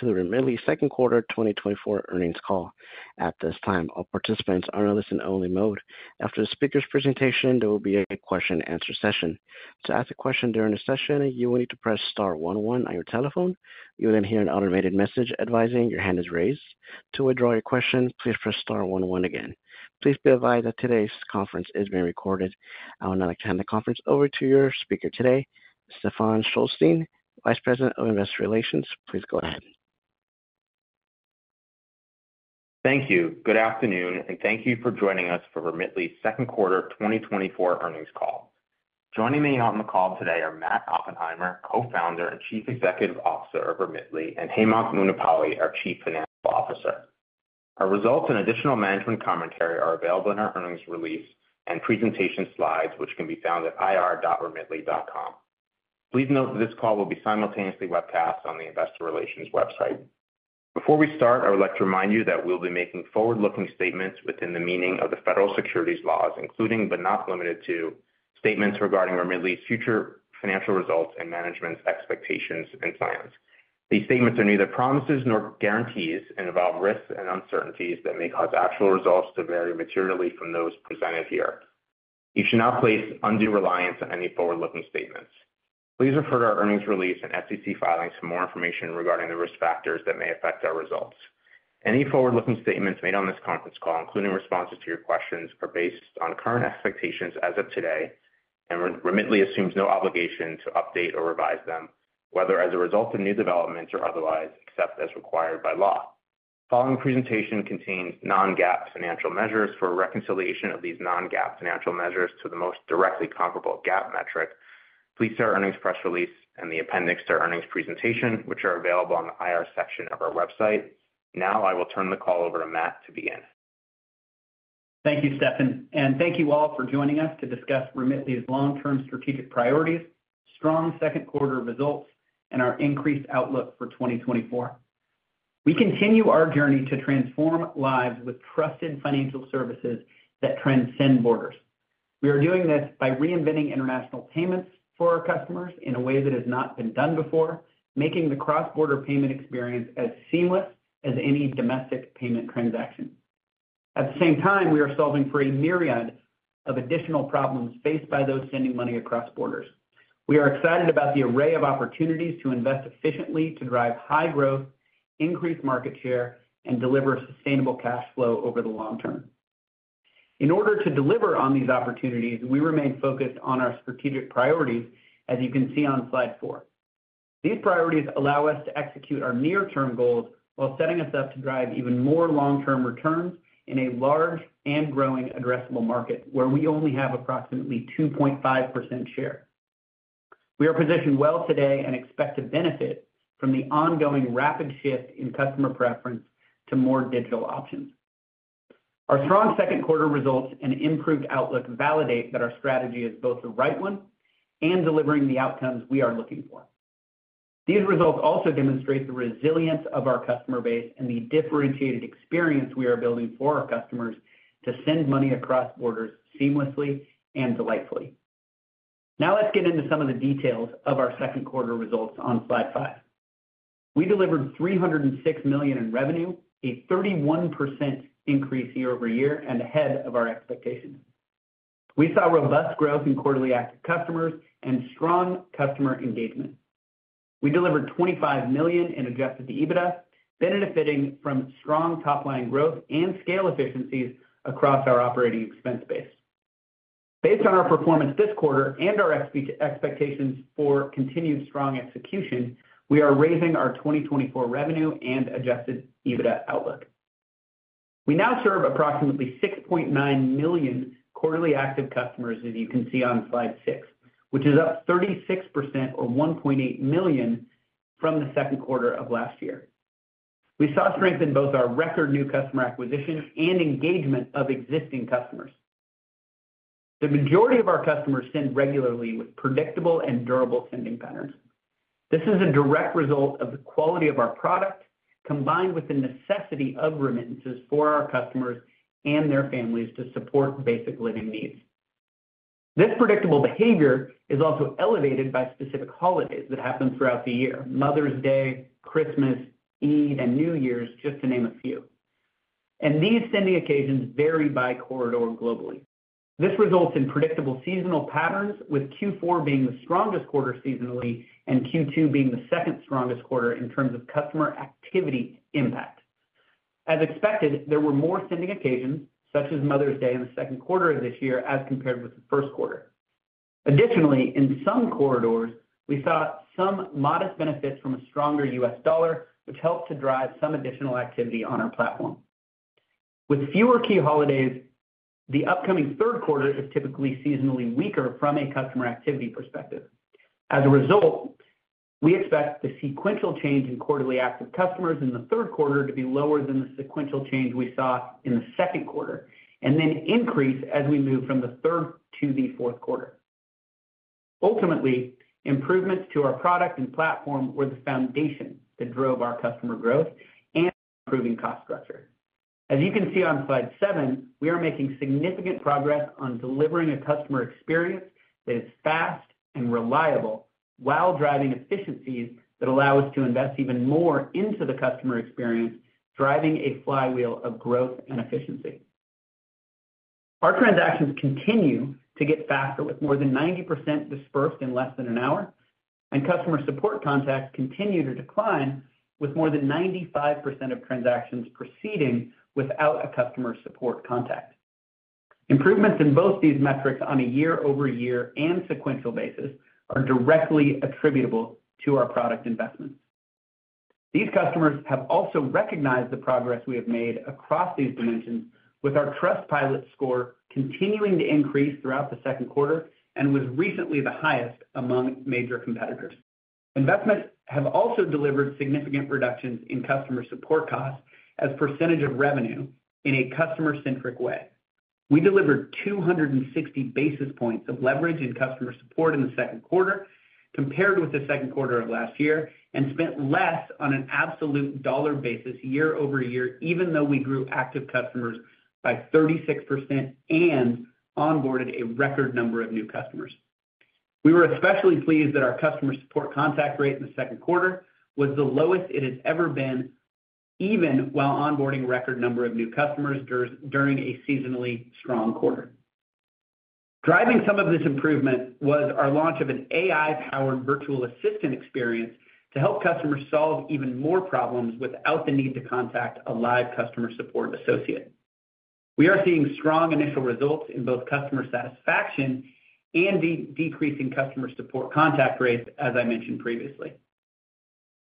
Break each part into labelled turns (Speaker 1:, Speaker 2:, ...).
Speaker 1: to the Remitly second quarter 2024 earnings call. At this time, all participants are in a listen-only mode. After the speaker's presentation, there will be a question-and-answer session. To ask a question during the session, you will need to press star one one on your telephone. You will then hear an automated message advising your hand is raised. To withdraw your question, please press star one one again. Please be advised that today's conference is being recorded. I will now hand the conference over to your speaker today, Stephen Schulze, Vice President of Investor Relations. Please go ahead.
Speaker 2: Thank you. Good afternoon, and thank you for joining us for Remitly's second quarter 2024 earnings call. Joining me on the call today are Matt Oppenheimer, Co-founder and Chief Executive Officer of Remitly, and Hemanth Munipalli, our Chief Financial Officer. Our results and additional management commentary are available in our earnings release and presentation slides, which can be found at ir.remitly.com. Please note that this call will be simultaneously webcast on the investor relations website. Before we start, I would like to remind you that we'll be making forward-looking statements within the meaning of the federal securities laws, including but not limited to, statements regarding Remitly's future financial results and management's expectations and plans. These statements are neither promises nor guarantees and involve risks and uncertainties that may cause actual results to vary materially from those presented here. You should not place undue reliance on any forward-looking statements. Please refer to our earnings release and SEC filings for more information regarding the risk factors that may affect our results. Any forward-looking statements made on this conference call, including responses to your questions, are based on current expectations as of today, and Remitly assumes no obligation to update or revise them, whether as a result of new developments or otherwise, except as required by law. The following presentation contains non-GAAP financial measures. For a reconciliation of these non-GAAP financial measures to the most directly comparable GAAP metric, please see our earnings press release and the appendix to our earnings presentation, which are available on the IR section of our website. Now I will turn the call over to Matt to begin.
Speaker 3: Thank you, Stephen, and thank you all for joining us to discuss Remitly's long-term strategic priorities, strong second quarter results, and our increased outlook for 2024. We continue our journey to transform lives with trusted financial services that transcend borders. We are doing this by reinventing international payments for our customers in a way that has not been done before, making the cross-border payment experience as seamless as any domestic payment transaction. At the same time, we are solving for a myriad of additional problems faced by those sending money across borders. We are excited about the array of opportunities to invest efficiently, to drive high growth, increase market share, and deliver sustainable cash flow over the long term. In order to deliver on these opportunities, we remain focused on our strategic priorities, as you can see on slide four. These priorities allow us to execute our near-term goals while setting us up to drive even more long-term returns in a large and growing addressable market, where we only have approximately 2.5% share. We are positioned well today and expect to benefit from the ongoing rapid shift in customer preference to more digital options. Our strong second quarter results and improved outlook validate that our strategy is both the right one and delivering the outcomes we are looking for. These results also demonstrate the resilience of our customer base and the differentiated experience we are building for our customers to send money across borders seamlessly and delightfully. Now, let's get into some of the details of our second quarter results on slide 5. We delivered $306 million in revenue, a 31% increase year-over-year and ahead of our expectations. We saw robust growth in quarterly active customers and strong customer engagement. We delivered $25 million in Adjusted EBITDA, benefiting from strong top-line growth and scale efficiencies across our operating expense base. Based on our performance this quarter and our expectations for continued strong execution, we are raising our 2024 revenue and Adjusted EBITDA outlook. We now serve approximately 6.9 million quarterly active customers, as you can see on slide 6, which is up 36% or 1.8 million from the second quarter of last year. We saw strength in both our record new customer acquisition and engagement of existing customers. The majority of our customers send regularly with predictable and durable sending patterns. This is a direct result of the quality of our product, combined with the necessity of remittances for our customers and their families to support basic living needs. This predictable behavior is also elevated by specific holidays that happen throughout the year: Mother's Day, Christmas, Eid, and New Year's, just to name a few. These sending occasions vary by corridor globally. This results in predictable seasonal patterns, with Q4 being the strongest quarter seasonally and Q2 being the second strongest quarter in terms of customer activity impact. As expected, there were more sending occasions, such as Mother's Day in the second quarter of this year as compared with the first quarter. Additionally, in some corridors, we saw some modest benefits from a stronger US dollar, which helped to drive some additional activity on our platform. With fewer key holidays, the upcoming third quarter is typically seasonally weaker from a customer activity perspective. As a result, we expect the sequential change in quarterly active customers in the third quarter to be lower than the sequential change we saw in the second quarter, and then increase as we move from the third to the fourth quarter. Ultimately, improvements to our product and platform were the foundation that drove our customer growth and improving cost structure. As you can see on slide 7, we are making significant progress on delivering a customer experience that is fast and reliable while driving efficiencies that allow us to invest even more into the customer experience, driving a flywheel of growth and efficiency. Our transactions continue to get faster, with more than 90% dispersed in less than an hour, and customer support contacts continue to decline, with more than 95% of transactions proceeding without a customer support contact. Improvements in both these metrics on a year-over-year and sequential basis are directly attributable to our product investments. These customers have also recognized the progress we have made across these dimensions, with our Trustpilot score continuing to increase throughout the second quarter and was recently the highest among major competitors. Investments have also delivered significant reductions in customer support costs as a percentage of revenue in a customer-centric way. We delivered 260 basis points of leverage in customer support in the second quarter compared with the second quarter of last year, and spent less on an absolute dollar basis year-over-year, even though we grew active customers by 36% and onboarded a record number of new customers. We were especially pleased that our customer support contact rate in the second quarter was the lowest it has ever been, even while onboarding a record number of new customers during a seasonally strong quarter. Driving some of this improvement was our launch of an AI-powered virtual assistant experience to help customers solve even more problems without the need to contact a live customer support associate. We are seeing strong initial results in both customer satisfaction and decreasing customer support contact rates, as I mentioned previously.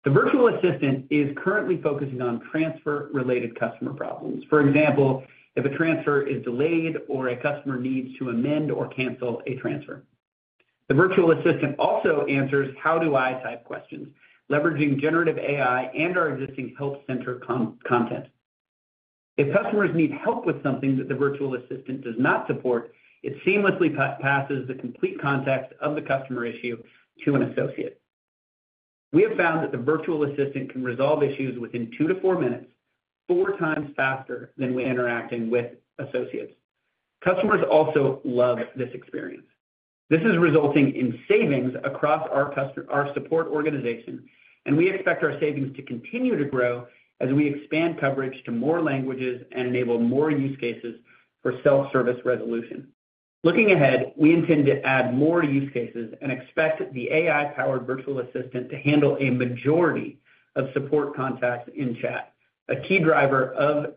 Speaker 3: The virtual assistant is currently focusing on transfer-related customer problems. For example, if a transfer is delayed or a customer needs to amend or cancel a transfer. The virtual assistant also answers how-do-I-type questions, leveraging generative AI and our existing help center content. If customers need help with something that the virtual assistant does not support, it seamlessly passes the complete context of the customer issue to an associate. We have found that the virtual assistant can resolve issues within 2-4 minutes, 4 times faster than when interacting with associates. Customers also love this experience. This is resulting in savings across our customer support organization, and we expect our savings to continue to grow as we expand coverage to more languages and enable more use cases for self-service resolution. Looking ahead, we intend to add more use cases and expect the AI-powered virtual assistant to handle a majority of support contacts in chat, a key driver of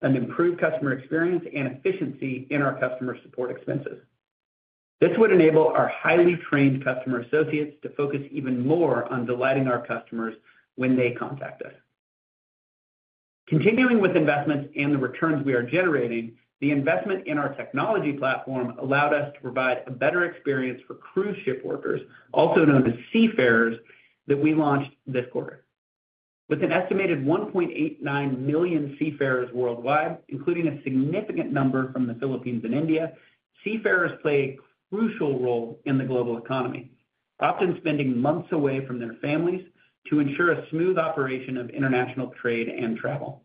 Speaker 3: an improved customer experience and efficiency in our customer support expenses. This would enable our highly trained customer associates to focus even more on delighting our customers when they contact us. Continuing with investments and the returns we are generating, the investment in our technology platform allowed us to provide a better experience for cruise ship workers, also known as seafarers, that we launched this quarter. With an estimated 1.89 million seafarers worldwide, including a significant number from the Philippines and India, seafarers play a crucial role in the global economy, often spending months away from their families to ensure a smooth operation of international trade and travel.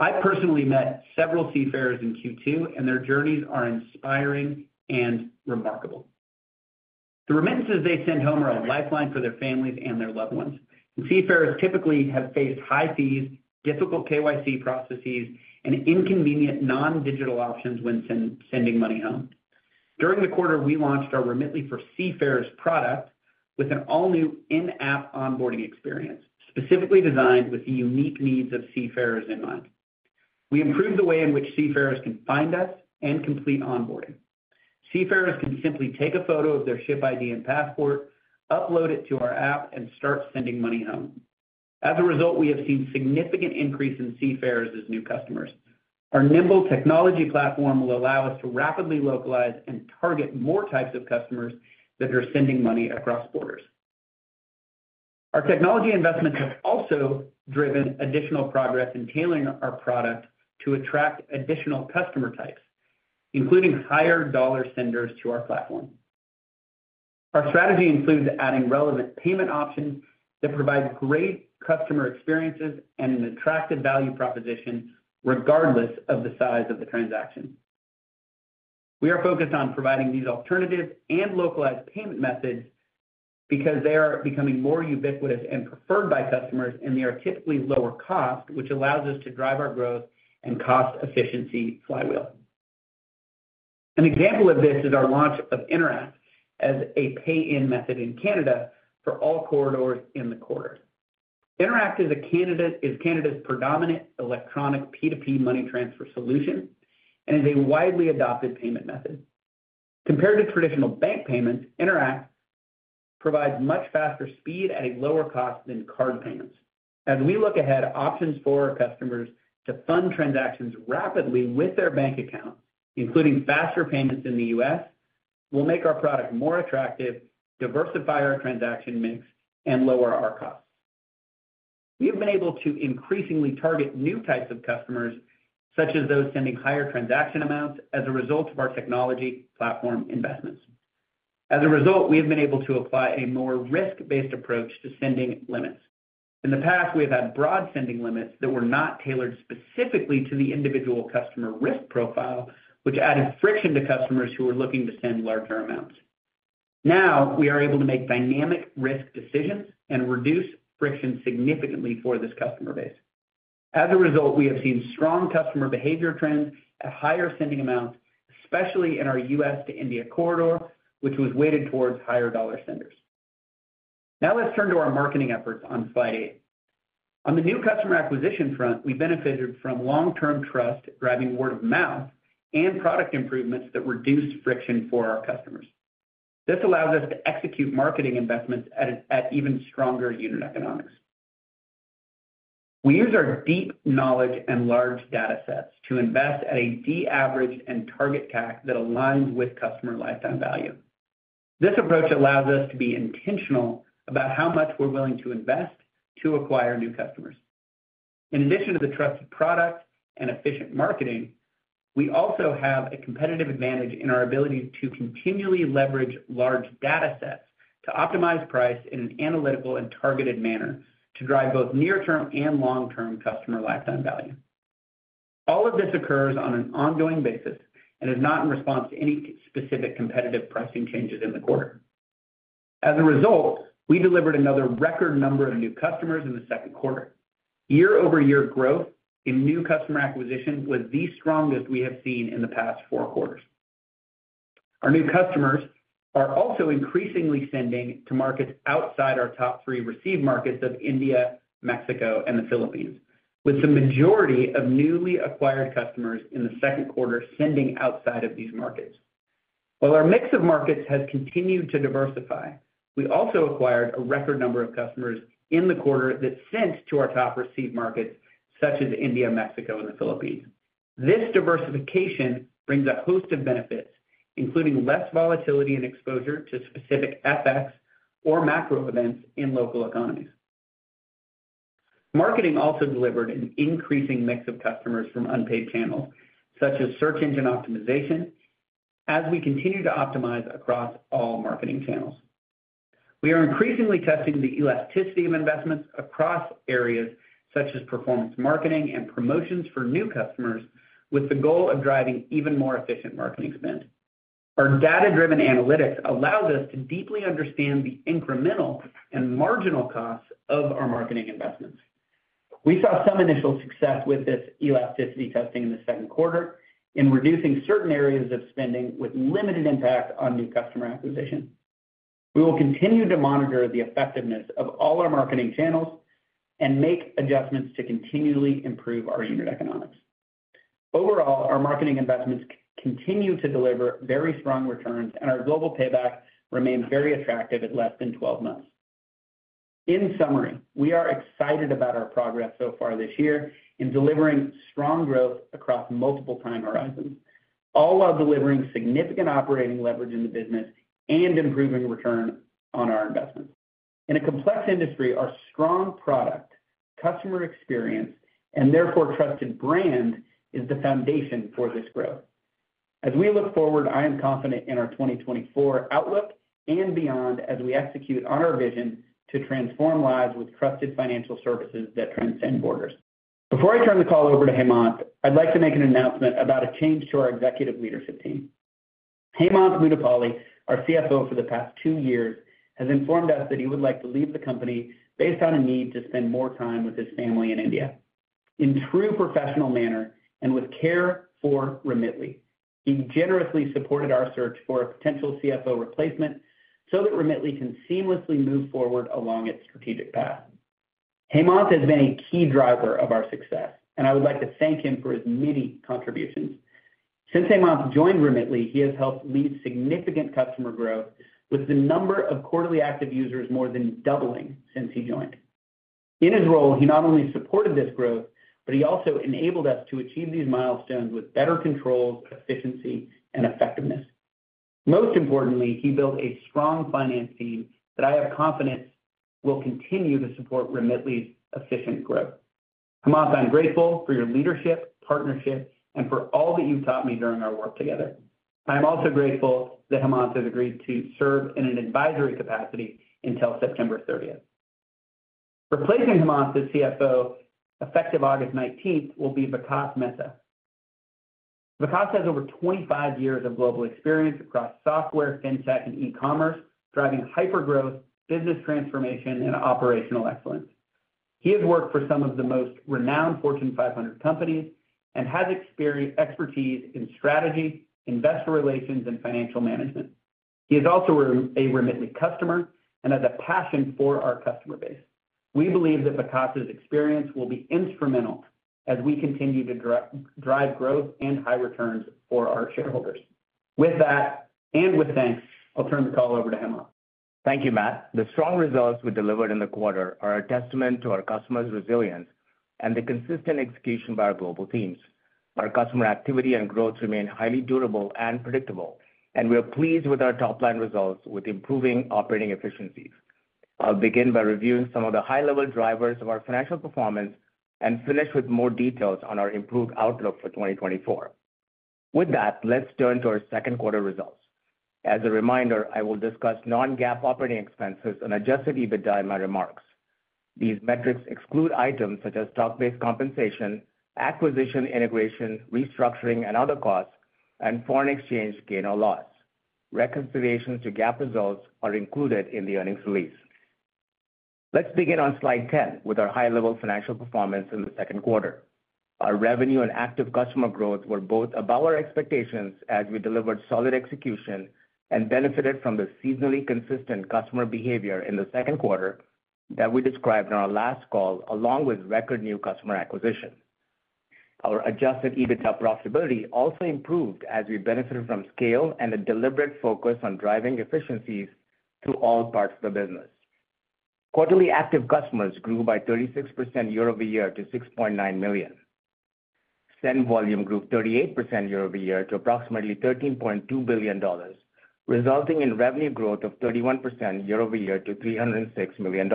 Speaker 3: I personally met several seafarers in Q2, and their journeys are inspiring and remarkable. The remittances they send home are a lifeline for their families and their loved ones. Seafarers typically have faced high fees, difficult KYC processes, and inconvenient non-digital options when sending money home. During the quarter, we launched our Remitly for Seafarers product with an all-new in-app onboarding experience, specifically designed with the unique needs of seafarers in mind. We improved the way in which seafarers can find us and complete onboarding. Seafarers can simply take a photo of their ship ID and passport, upload it to our app, and start sending money home. As a result, we have seen significant increase in seafarers as new customers. Our nimble technology platform will allow us to rapidly localize and target more types of customers that are sending money across borders. Our technology investments have also driven additional progress in tailoring our product to attract additional customer types, including higher dollar senders to our platform. Our strategy includes adding relevant payment options that provide great customer experiences and an attractive value proposition regardless of the size of the transaction. We are focused on providing these alternatives and localized payment methods because they are becoming more ubiquitous and preferred by customers, and they are typically lower cost, which allows us to drive our growth and cost efficiency flywheel. An example of this is our launch of Interac as a pay-in method in Canada for all corridors in the quarter. Interac is Canada's predominant electronic P2P money transfer solution and is a widely adopted payment method. Compared to traditional bank payments, Interac provides much faster speed at a lower cost than card payments. As we look ahead, options for our customers to fund transactions rapidly with their bank account, including faster payments in the U.S., will make our product more attractive, diversify our transaction mix, and lower our costs. We have been able to increasingly target new types of customers, such as those sending higher transaction amounts as a result of our technology platform investments. As a result, we have been able to apply a more risk-based approach to sending limits. In the past, we have had broad sending limits that were not tailored specifically to the individual customer risk profile, which added friction to customers who were looking to send larger amounts. Now, we are able to make dynamic risk decisions and reduce friction significantly for this customer base. As a result, we have seen strong customer behavior trends at higher sending amounts, especially in our U.S. to India corridor, which was weighted towards higher dollar senders. Now let's turn to our marketing efforts on Slide 8. On the new customer acquisition front, we benefited from long-term trust, driving word-of-mouth, and product improvements that reduced friction for our customers. This allows us to execute marketing investments at even stronger unit economics. We use our deep knowledge and large data sets to invest at a de-averaged and target CAC that aligns with customer lifetime value. This approach allows us to be intentional about how much we're willing to invest to acquire new customers. In addition to the trusted product and efficient marketing, we also have a competitive advantage in our ability to continually leverage large data sets to optimize price in an analytical and targeted manner, to drive both near-term and long-term customer lifetime value. All of this occurs on an ongoing basis and is not in response to any specific competitive pricing changes in the quarter. As a result, we delivered another record number of new customers in the second quarter. Year-over-year growth in new customer acquisition was the strongest we have seen in the past four quarters. Our new customers are also increasingly sending to markets outside our top three receive markets of India, Mexico, and the Philippines, with the majority of newly acquired customers in the second quarter sending outside of these markets. While our mix of markets has continued to diversify, we also acquired a record number of customers in the quarter that sent to our top receive markets such as India, Mexico, and the Philippines. This diversification brings a host of benefits, including less volatility and exposure to specific FX or macro events in local economies. Marketing also delivered an increasing mix of customers from unpaid channels, such as search engine optimization, as we continue to optimize across all marketing channels. We are increasingly testing the elasticity of investments across areas such as performance marketing and promotions for new customers, with the goal of driving even more efficient marketing spend. Our data-driven analytics allows us to deeply understand the incremental and marginal costs of our marketing investments. We saw some initial success with this elasticity testing in the second quarter in reducing certain areas of spending with limited impact on new customer acquisition. We will continue to monitor the effectiveness of all our marketing channels and make adjustments to continually improve our unit economics. Overall, our marketing investments continue to deliver very strong returns, and our global payback remains very attractive at less than 12 months. In summary, we are excited about our progress so far this year in delivering strong growth across multiple time horizons, all while delivering significant operating leverage in the business and improving return on our investments. In a complex industry, our strong product, customer experience, and therefore trusted brand, is the foundation for this growth. As we look forward, I am confident in our 2024 outlook and beyond, as we execute on our vision to transform lives with trusted financial services that transcend borders. Before I turn the call over to Hemant, I'd like to make an announcement about a change to our executive leadership team. Hemant Munipalli, our CFO for the past two years, has informed us that he would like to leave the company based on a need to spend more time with his family in India. In true professional manner and with care for Remitly, he generously supported our search for a potential CFO replacement so that Remitly can seamlessly move forward along its strategic path. Hemant has been a key driver of our success, and I would like to thank him for his many contributions. Since Hemant joined Remitly, he has helped lead significant customer growth, with the number of quarterly active users more than doubling since he joined. In his role, he not only supported this growth, but he also enabled us to achieve these milestones with better control, efficiency, and effectiveness. Most importantly, he built a strong finance team that I have confidence will continue to support Remitly's efficient growth. Hemant, I'm grateful for your leadership, partnership, and for all that you've taught me during our work together. I'm also grateful that Hemant has agreed to serve in an advisory capacity until September thirtieth. Replacing Hemant as CFO, effective August nineteenth, will be Vikas Mehta. Vikas has over 25 years of global experience across software, fintech, and e-commerce, driving hypergrowth, business transformation, and operational excellence. He has worked for some of the most renowned Fortune 500 companies and has expertise in strategy, investor relations, and financial management. He is also a Remitly customer and has a passion for our customer base. We believe that Vikas' experience will be instrumental as we continue to drive growth and high returns for our shareholders. With that, and with thanks, I'll turn the call over to Hemant.
Speaker 4: Thank you, Matt. The strong results we delivered in the quarter are a testament to our customers' resilience and the consistent execution by our global teams. Our customer activity and growth remain highly durable and predictable, and we are pleased with our top-line results with improving operating efficiencies. I'll begin by reviewing some of the high-level drivers of our financial performance and finish with more details on our improved outlook for 2024. With that, let's turn to our second quarter results. As a reminder, I will discuss non-GAAP operating expenses and adjusted EBITDA in my remarks. These metrics exclude items such as stock-based compensation, acquisition, integration, restructuring, and other costs, and foreign exchange gain or loss. Reconciliations to GAAP results are included in the earnings release. Let's begin on slide 10 with our high-level financial performance in the second quarter. Our revenue and active customer growth were both above our expectations, as we delivered solid execution and benefited from the seasonally consistent customer behavior in the second quarter that we described on our last call, along with record new customer acquisition. Our Adjusted EBITDA profitability also improved as we benefited from scale and a deliberate focus on driving efficiencies through all parts of the business. Quarterly active customers grew by 36% year-over-year to 6.9 million. Send volume grew 38% year-over-year to approximately $13.2 billion, resulting in revenue growth of 31% year-over-year to $306 million.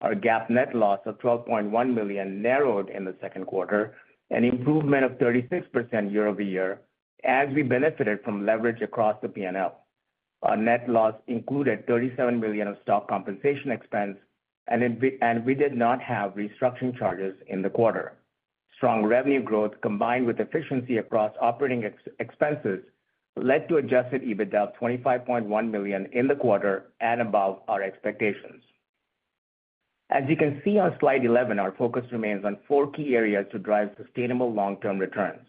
Speaker 4: Our GAAP net loss of $12.1 million narrowed in the second quarter, an improvement of 36% year-over-year, as we benefited from leverage across the P&L. Our net loss included $37 million of stock compensation expense, and we did not have restructuring charges in the quarter. Strong revenue growth, combined with efficiency across operating expenses, led to Adjusted EBITDA of $25.1 million in the quarter and above our expectations. As you can see on slide 11, our focus remains on four key areas to drive sustainable long-term returns: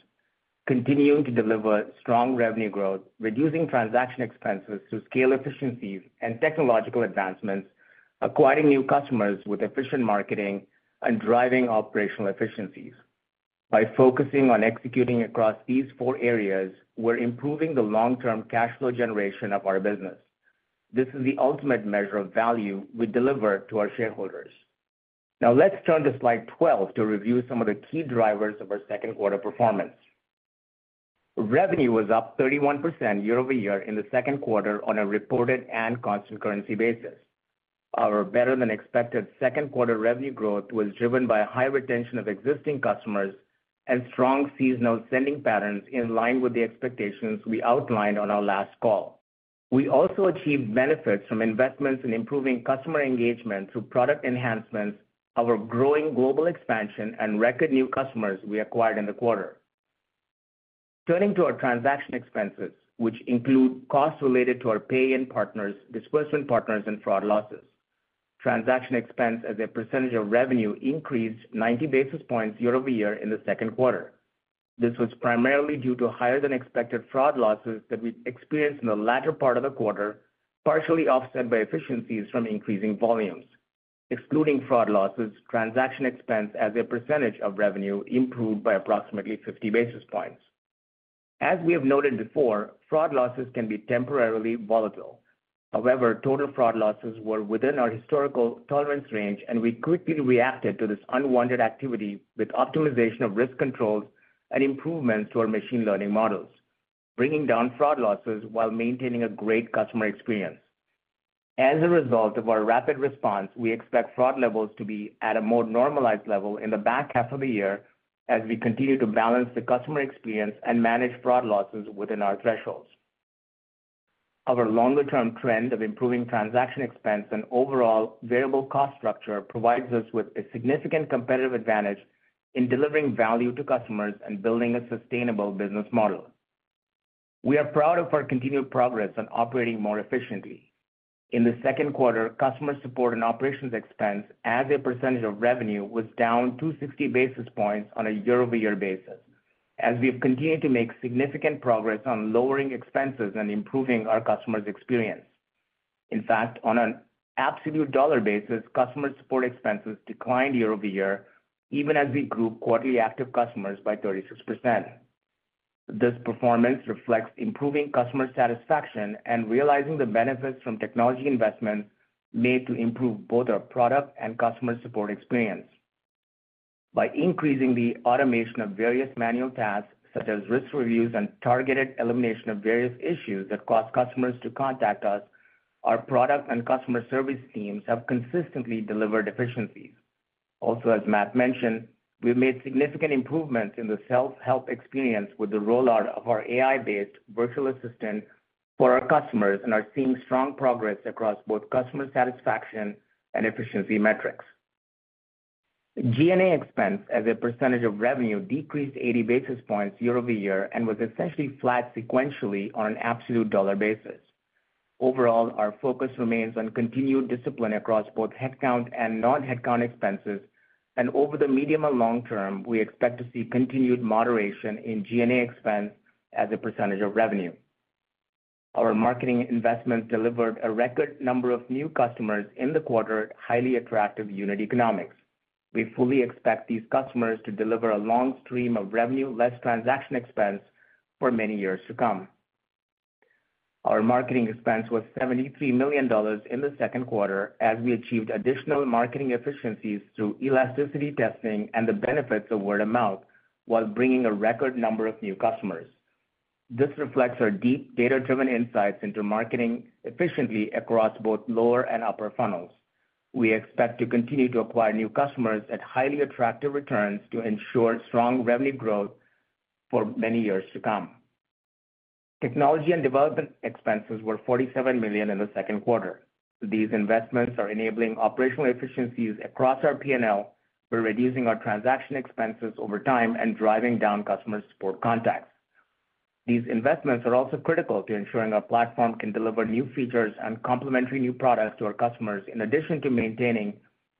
Speaker 4: continuing to deliver strong revenue growth, reducing transaction expenses through scale efficiencies and technological advancements, acquiring new customers with efficient marketing, and driving operational efficiencies. By focusing on executing across these four areas, we're improving the long-term cash flow generation of our business. This is the ultimate measure of value we deliver to our shareholders. Now, let's turn to slide 12 to review some of the key drivers of our second quarter performance. Revenue was up 31% year-over-year in the second quarter on a reported and constant currency basis. Our better-than-expected second quarter revenue growth was driven by high retention of existing customers and strong seasonal sending patterns, in line with the expectations we outlined on our last call. We also achieved benefits from investments in improving customer engagement through product enhancements, our growing global expansion, and record new customers we acquired in the quarter. Turning to our transaction expenses, which include costs related to our pay-in partners, disbursement partners, and fraud losses. Transaction expense as a percentage of revenue increased 90 basis points year-over-year in the second quarter. This was primarily due to higher-than-expected fraud losses that we experienced in the latter part of the quarter, partially offset by efficiencies from increasing volumes. Excluding fraud losses, transaction expense as a percentage of revenue improved by approximately 50 basis points. As we have noted before, fraud losses can be temporarily volatile. However, total fraud losses were within our historical tolerance range, and we quickly reacted to this unwanted activity with optimization of risk controls and improvements to our machine learning models, bringing down fraud losses while maintaining a great customer experience. As a result of our rapid response, we expect fraud levels to be at a more normalized level in the back half of the year as we continue to balance the customer experience and manage fraud losses within our thresholds. Our longer-term trend of improving transaction expense and overall variable cost structure provides us with a significant competitive advantage in delivering value to customers and building a sustainable business model. We are proud of our continued progress on operating more efficiently. In the second quarter, customer support and operations expense as a percentage of revenue was down 260 basis points on a year-over-year basis, as we've continued to make significant progress on lowering expenses and improving our customer's experience. In fact, on an absolute dollar basis, customer support expenses declined year-over-year, even as we grew quarterly active customers by 36%. This performance reflects improving customer satisfaction and realizing the benefits from technology investments made to improve both our product and customer support experience. By increasing the automation of various manual tasks, such as risk reviews and targeted elimination of various issues that cause customers to contact us, our product and customer service teams have consistently delivered efficiencies. Also, as Matt mentioned, we've made significant improvements in the self-help experience with the rollout of our AI-based virtual assistant for our customers and are seeing strong progress across both customer satisfaction and efficiency metrics. G&A expense as a percentage of revenue decreased 80 basis points year-over-year and was essentially flat sequentially on an absolute dollar basis. Overall, our focus remains on continued discipline across both headcount and non-headcount expenses, and over the medium and long term, we expect to see continued moderation in G&A expense as a percentage of revenue. Our marketing investments delivered a record number of new customers in the quarter, highly attractive unit economics. We fully expect these customers to deliver a long stream of revenue, less transaction expense, for many years to come. Our marketing expense was $73 million in the second quarter, as we achieved additional marketing efficiencies through elasticity testing and the benefits of word of mouth, while bringing a record number of new customers. This reflects our deep data-driven insights into marketing efficiently across both lower and upper funnels. We expect to continue to acquire new customers at highly attractive returns to ensure strong revenue growth for many years to come. Technology and development expenses were $47 million in the second quarter. These investments are enabling operational efficiencies across our PNL. We're reducing our transaction expenses over time and driving down customer support contacts. These investments are also critical to ensuring our platform can deliver new features and complementary new products to our customers, in addition to maintaining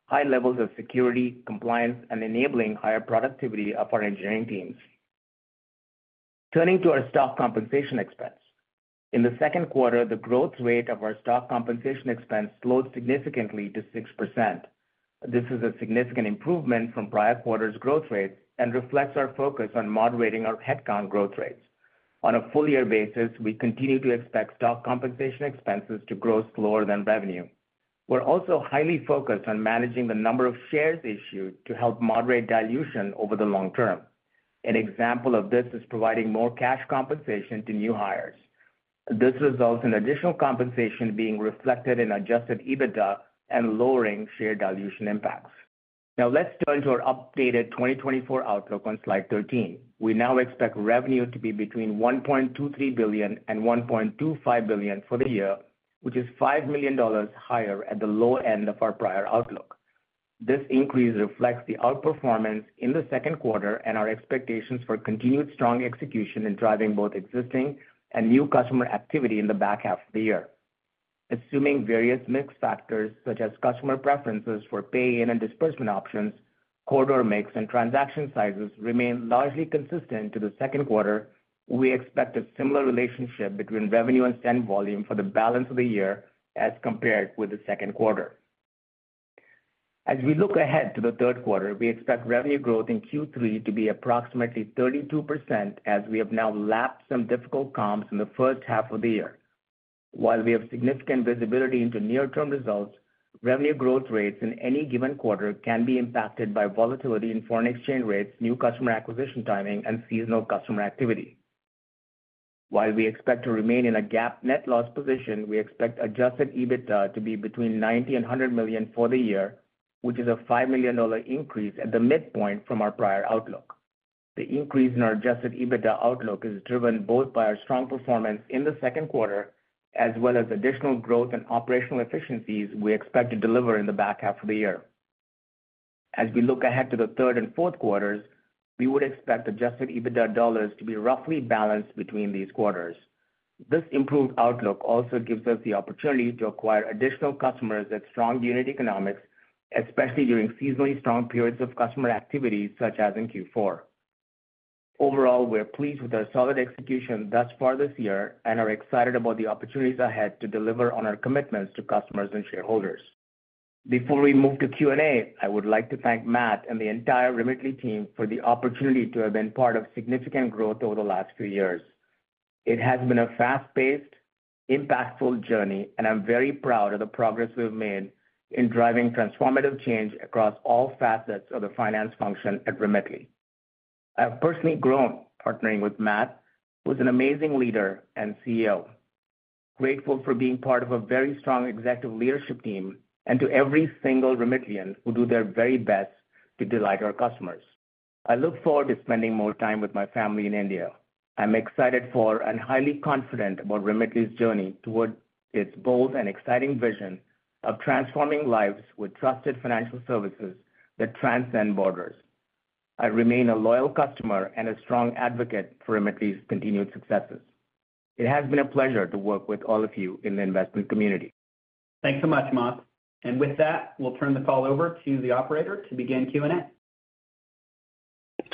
Speaker 4: high levels of security, compliance, and enabling higher productivity of our engineering teams. Turning to our stock compensation expense. In the second quarter, the growth rate of our stock compensation expense slowed significantly to 6%. This is a significant improvement from prior quarters' growth rates and reflects our focus on moderating our headcount growth rates. On a full year basis, we continue to expect stock compensation expenses to grow slower than revenue. We're also highly focused on managing the number of shares issued to help moderate dilution over the long term. An example of this is providing more cash compensation to new hires. This results in additional compensation being reflected in Adjusted EBITDA and lowering share dilution impacts. Now let's turn to our updated 2024 outlook on slide 13. We now expect revenue to be between $1.23 billion and $1.25 billion for the year, which is $5 million higher at the low end of our prior outlook. This increase reflects the outperformance in the second quarter and our expectations for continued strong execution in driving both existing and new customer activity in the back half of the year. Assuming various mix factors, such as customer preferences for pay in and disbursement options, corridor mix and transaction sizes remain largely consistent to the second quarter, we expect a similar relationship between revenue and send volume for the balance of the year as compared with the second quarter. As we look ahead to the third quarter, we expect revenue growth in Q3 to be approximately 32%, as we have now lapped some difficult comps in the first half of the year. While we have significant visibility into near-term results, revenue growth rates in any given quarter can be impacted by volatility in foreign exchange rates, new customer acquisition timing, and seasonal customer activity. While we expect to remain in a GAAP net loss position, we expect adjusted EBITDA to be between $90 million and $100 million for the year, which is a $5 million increase at the midpoint from our prior outlook. The increase in our adjusted EBITDA outlook is driven both by our strong performance in the second quarter, as well as additional growth and operational efficiencies we expect to deliver in the back half of the year. As we look ahead to the third and fourth quarters, we would expect adjusted EBITDA dollars to be roughly balanced between these quarters. This improved outlook also gives us the opportunity to acquire additional customers at strong unit economics, especially during seasonally strong periods of customer activity, such as in Q4. Overall, we are pleased with our solid execution thus far this year and are excited about the opportunities ahead to deliver on our commitments to customers and shareholders. Before we move to Q&A, I would like to thank Matt and the entire Remitly team for the opportunity to have been part of significant growth over the last few years. It has been a fast-paced, impactful journey, and I'm very proud of the progress we've made in driving transformative change across all facets of the finance function at Remitly. I have personally grown partnering with Matt, who is an amazing leader and CEO. Grateful for being part of a very strong executive leadership team and to every single Remitlian who do their very best to delight our customers. I look forward to spending more time with my family in India. I'm excited for and highly confident about Remitly's journey towards its bold and exciting vision of transforming lives with trusted financial services that transcend borders. I remain a loyal customer and a strong advocate for Remitly's continued successes. It has been a pleasure to work with all of you in the investment community.
Speaker 3: Thanks so much, Hemant. With that, we'll turn the call over to the operator to begin Q&A.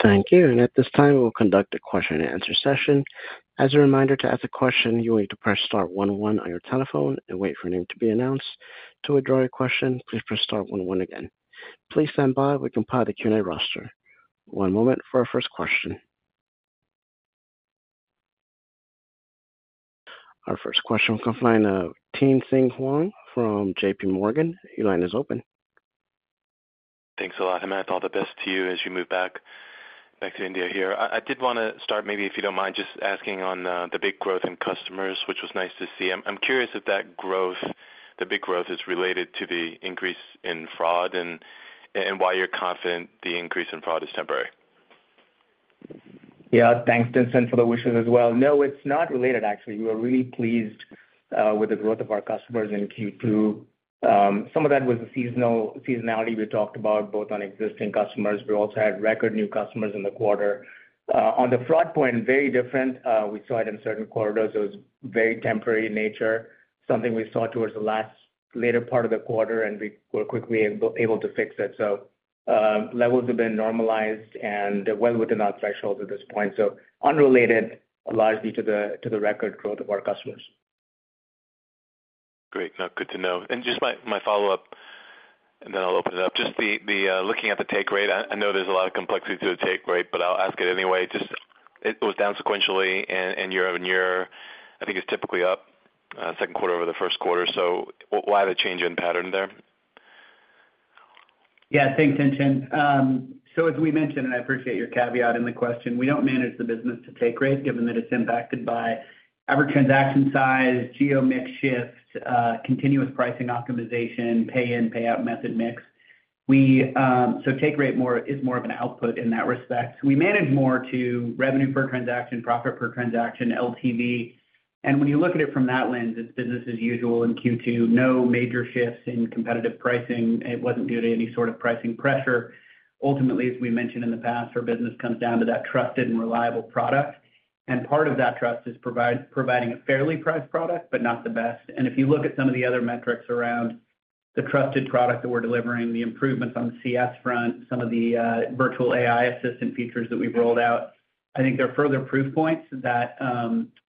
Speaker 1: Thank you. And at this time, we will conduct a question-and-answer session. As a reminder, to ask a question, you will need to press star one one on your telephone and wait for your name to be announced. To withdraw your question, please press star one one again. Please stand by. We compiled the Q&A roster. One moment for our first question. Our first question comes from the line of Tien-tsin Huang from J.P. Morgan. Your line is open.
Speaker 5: Thanks a lot, Hemant. All the best to you as you move back, back to India here. I did want to start, maybe, if you don't mind, just asking on the big growth in customers, which was nice to see. I'm curious if that growth, the big growth, is related to the increase in fraud and why you're confident the increase in fraud is temporary?
Speaker 4: Yeah, thanks, Tien-tsin, for the wishes as well. No, it's not related, actually. We were really pleased with the growth of our customers in Q2. Some of that was a seasonality we talked about, both on existing customers. We also had record new customers in the quarter. On the fraud point, very different. We saw it in certain corridors. It was very temporary in nature, something we saw towards the latter part of the quarter, and we were quickly able to fix it. So, levels have been normalized and well within our thresholds at this point, so unrelated largely to the record growth of our customers.
Speaker 5: Great. No, good to know. And just my follow-up, and then I'll open it up. Just the looking at the take rate, I know there's a lot of complexity to the take rate, but I'll ask it anyway. Just it goes down sequentially and year-over-year. I think it's typically up, second quarter over the first quarter. So why the change in pattern there?...
Speaker 3: Yeah, thanks, Tien-tsin. So as we mentioned, and I appreciate your caveat in the question, we don't manage the business to take rate, given that it's impacted by average transaction size, geo mix shifts, continuous pricing optimization, pay-in, payout method mix. We so take rate more is more of an output in that respect. We manage more to revenue per transaction, profit per transaction, LTV. And when you look at it from that lens, it's business as usual in Q2. No major shifts in competitive pricing. It wasn't due to any sort of pricing pressure. Ultimately, as we mentioned in the past, our business comes down to that trusted and reliable product, and part of that trust is providing a fairly priced product, but not the best. If you look at some of the other metrics around the trusted product that we're delivering, the improvements on the CS front, some of the virtual AI assistant features that we've rolled out, I think they're further proof points that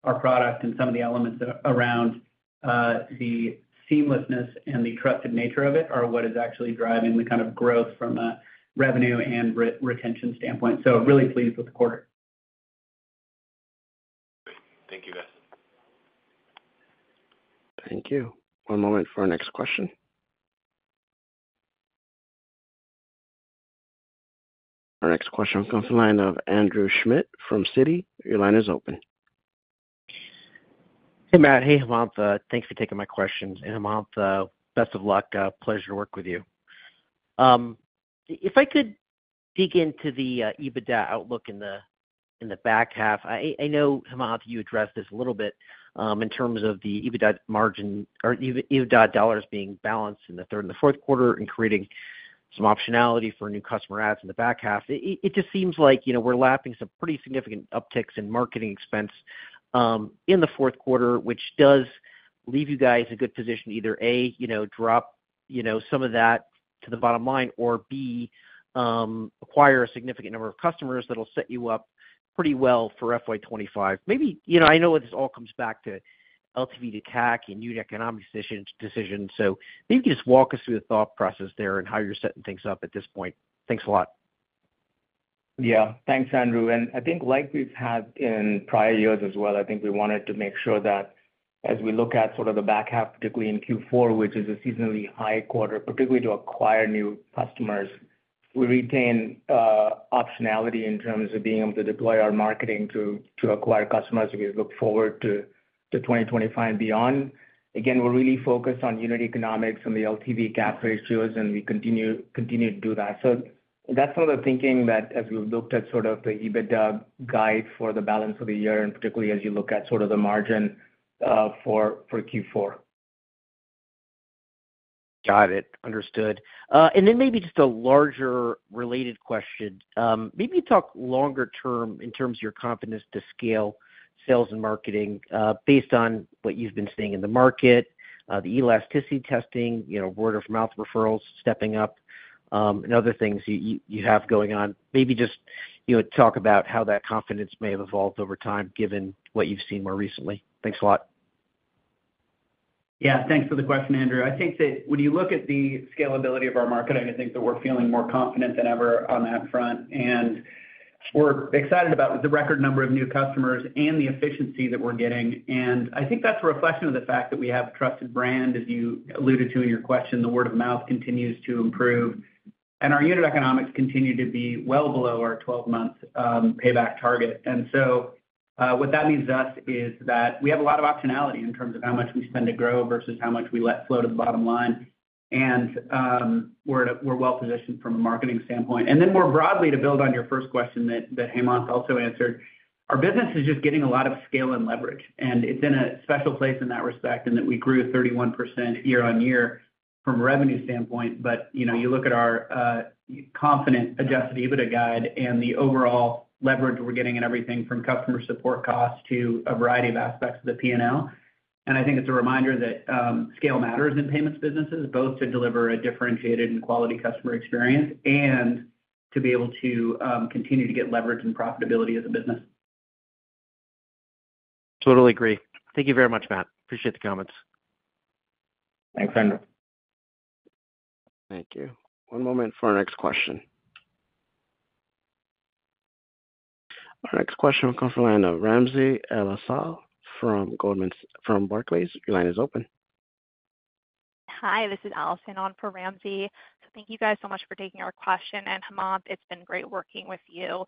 Speaker 3: our product and some of the elements around the seamlessness and the trusted nature of it are what is actually driving the kind of growth from a revenue and retention standpoint. So really pleased with the quarter.
Speaker 5: Great. Thank you, guys.
Speaker 1: Thank you. One moment for our next question. Our next question comes from the line of Andrew Schmidt from Citi. Your line is open.
Speaker 6: Hey, Matt. Hey, Hemant. Thanks for taking my questions. Hemant, best of luck. Pleasure to work with you. If I could dig into the EBITDA outlook in the back half. I know, Hemant, you addressed this a little bit, in terms of the EBITDA margin or EBITDA dollars being balanced in the third and the fourth quarter and creating some optionality for new customer adds in the back half. It just seems like, you know, we're lapping some pretty significant upticks in marketing expense, in the fourth quarter, which does leave you guys in a good position, either, A, you know, drop some of that to the bottom line or, B, acquire a significant number of customers that'll set you up pretty well for FY 25. Maybe, you know, I know this all comes back to LTV to CAC and unit economics decisions, so maybe you can just walk us through the thought process there and how you're setting things up at this point. Thanks a lot.
Speaker 4: Yeah. Thanks, Andrew, and I think like we've had in prior years as well, I think we wanted to make sure that as we look at sort of the back half, particularly in Q4, which is a seasonally high quarter, particularly to acquire new customers, we retain optionality in terms of being able to deploy our marketing to acquire customers as we look forward to 2025 and beyond. Again, we're really focused on unit economics and the LTV gap ratios, and we continue to do that. So that's sort of the thinking that as we've looked at sort of the EBITDA guide for the balance of the year, and particularly as you look at sort of the margin for Q4.
Speaker 6: Got it. Understood. And then maybe just a larger related question. Maybe talk longer term in terms of your confidence to scale sales and marketing, based on what you've been seeing in the market, the elasticity testing, you know, word-of-mouth referrals stepping up, and other things you have going on. Maybe just, you know, talk about how that confidence may have evolved over time, given what you've seen more recently. Thanks a lot.
Speaker 3: Yeah, thanks for the question, Andrew. I think that when you look at the scalability of our marketing, I think that we're feeling more confident than ever on that front, and we're excited about the record number of new customers and the efficiency that we're getting. And I think that's a reflection of the fact that we have a trusted brand. As you alluded to in your question, the word of mouth continues to improve, and our unit economics continue to be well below our 12-month payback target. And so, what that means to us is that we have a lot of optionality in terms of how much we spend to grow versus how much we let flow to the bottom line. And, we're well positioned from a marketing standpoint. And then more broadly, to build on your first question that, that Hemanth also answered, our business is just getting a lot of scale and leverage, and it's in a special place in that respect, and that we grew 31% year-on-year from a revenue standpoint. But, you know, you look at our confident adjusted EBITDA guide and the overall leverage we're getting in everything from customer support costs to a variety of aspects of the P&L. And I think it's a reminder that scale matters in payments businesses, both to deliver a differentiated and quality customer experience and to be able to continue to get leverage and profitability as a business.
Speaker 6: Totally agree. Thank you very much, Matt. Appreciate the comments.
Speaker 3: Thanks, Andrew.
Speaker 1: Thank you. One moment for our next question. Our next question will come from the line of Ramsey El-Assal from Goldman-- from Barclays. Your line is open.
Speaker 7: Hi, this is Allison on for Ramsey. So thank you guys so much for taking our question, and Hemant, it's been great working with you.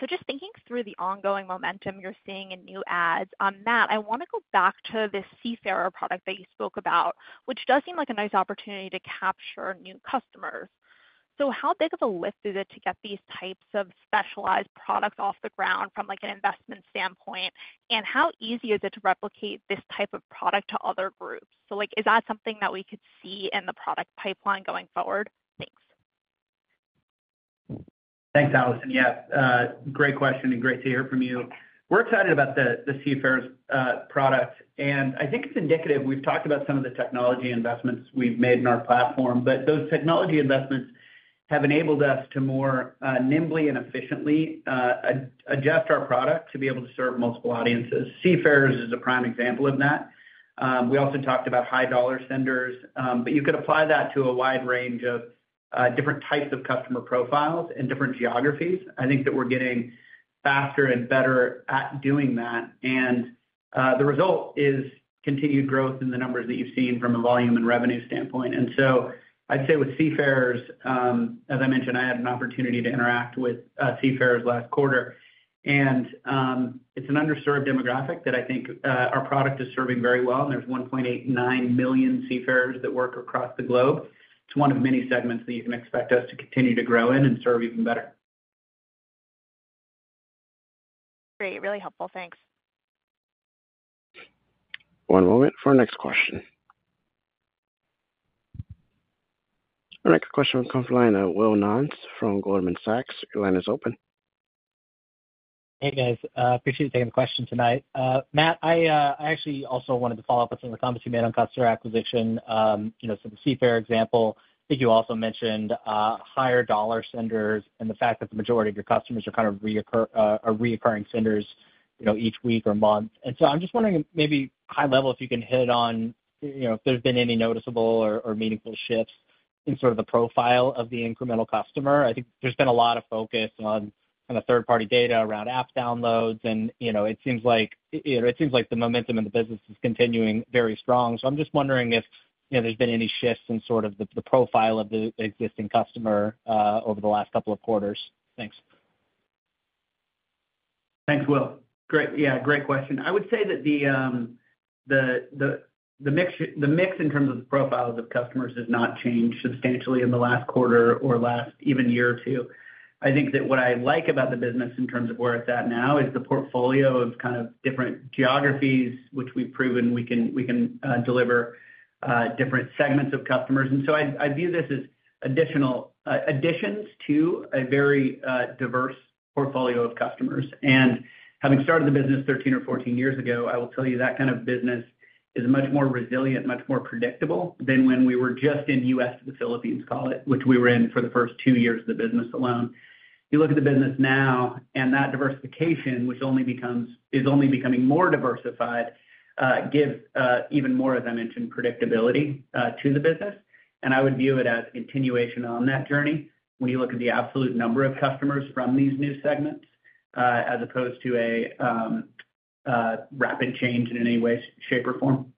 Speaker 7: So just thinking through the ongoing momentum you're seeing in new ads. On Matt, I want to go back to the Seafarer product that you spoke about, which does seem like a nice opportunity to capture new customers. So how big of a lift is it to get these types of specialized products off the ground from, like, an investment standpoint? And how easy is it to replicate this type of product to other groups? So, like, is that something that we could see in the product pipeline going forward? Thanks.
Speaker 3: Thanks, Allison. Yeah, great question and great to hear from you. We're excited about the Seafarers product, and I think it's indicative. We've talked about some of the technology investments we've made in our platform, but those technology investments have enabled us to more nimbly and efficiently adjust our product to be able to serve multiple audiences. Seafarers is a prime example of that. We also talked about high dollar spenders, but you could apply that to a wide range of different types of customer profiles and different geographies. I think that we're getting faster and better at doing that, and the result is continued growth in the numbers that you've seen from a volume and revenue standpoint. And so I'd say with Seafarers, as I mentioned, I had an opportunity to interact with seafarers last quarter. It's an underserved demographic that I think, our product is serving very well. And there's 1.89 million seafarers that work across the globe. It's one of many segments that you can expect us to continue to grow in and serve even better.
Speaker 7: Great, really helpful. Thanks.
Speaker 1: One moment for our next question. Our next question comes from the line of Will Nance from Goldman Sachs. Your line is open.
Speaker 8: Hey, guys, appreciate you taking the question tonight. Matt, I actually also wanted to follow up on some of the comments you made on customer acquisition, you know, so the seafarer example. I think you also mentioned higher dollar senders and the fact that the majority of your customers are kind of reoccur, are reoccurring senders, you know, each week or month. And so I'm just wondering, maybe high level, if you can hit on, you know, if there's been any noticeable or meaningful shifts in sort of the profile of the incremental customer. I think there's been a lot of focus on the third-party data around app downloads, and, you know, it seems like the momentum in the business is continuing very strong. I'm just wondering if, you know, there's been any shifts in sort of the profile of the existing customer over the last couple of quarters. Thanks.
Speaker 3: Thanks, Will. Great. Yeah, great question. I would say that the mix in terms of the profiles of customers has not changed substantially in the last quarter or last even year or two. I think that what I like about the business in terms of where it's at now is the portfolio of kind of different geographies, which we've proven we can deliver different segments of customers. And so I'd view this as additional additions to a very diverse portfolio of customers. And having started the business 13 or 14 years ago, I will tell you that kind of business is much more resilient, much more predictable than when we were just in U.S. to the Philippines, call it, which we were in for the first two years of the business alone. You look at the business now, and that diversification, which only is only becoming more diversified, gives even more, as I mentioned, predictability to the business. And I would view it as continuation on that journey when you look at the absolute number of customers from these new segments, as opposed to a rapid change in any way, shape, or form.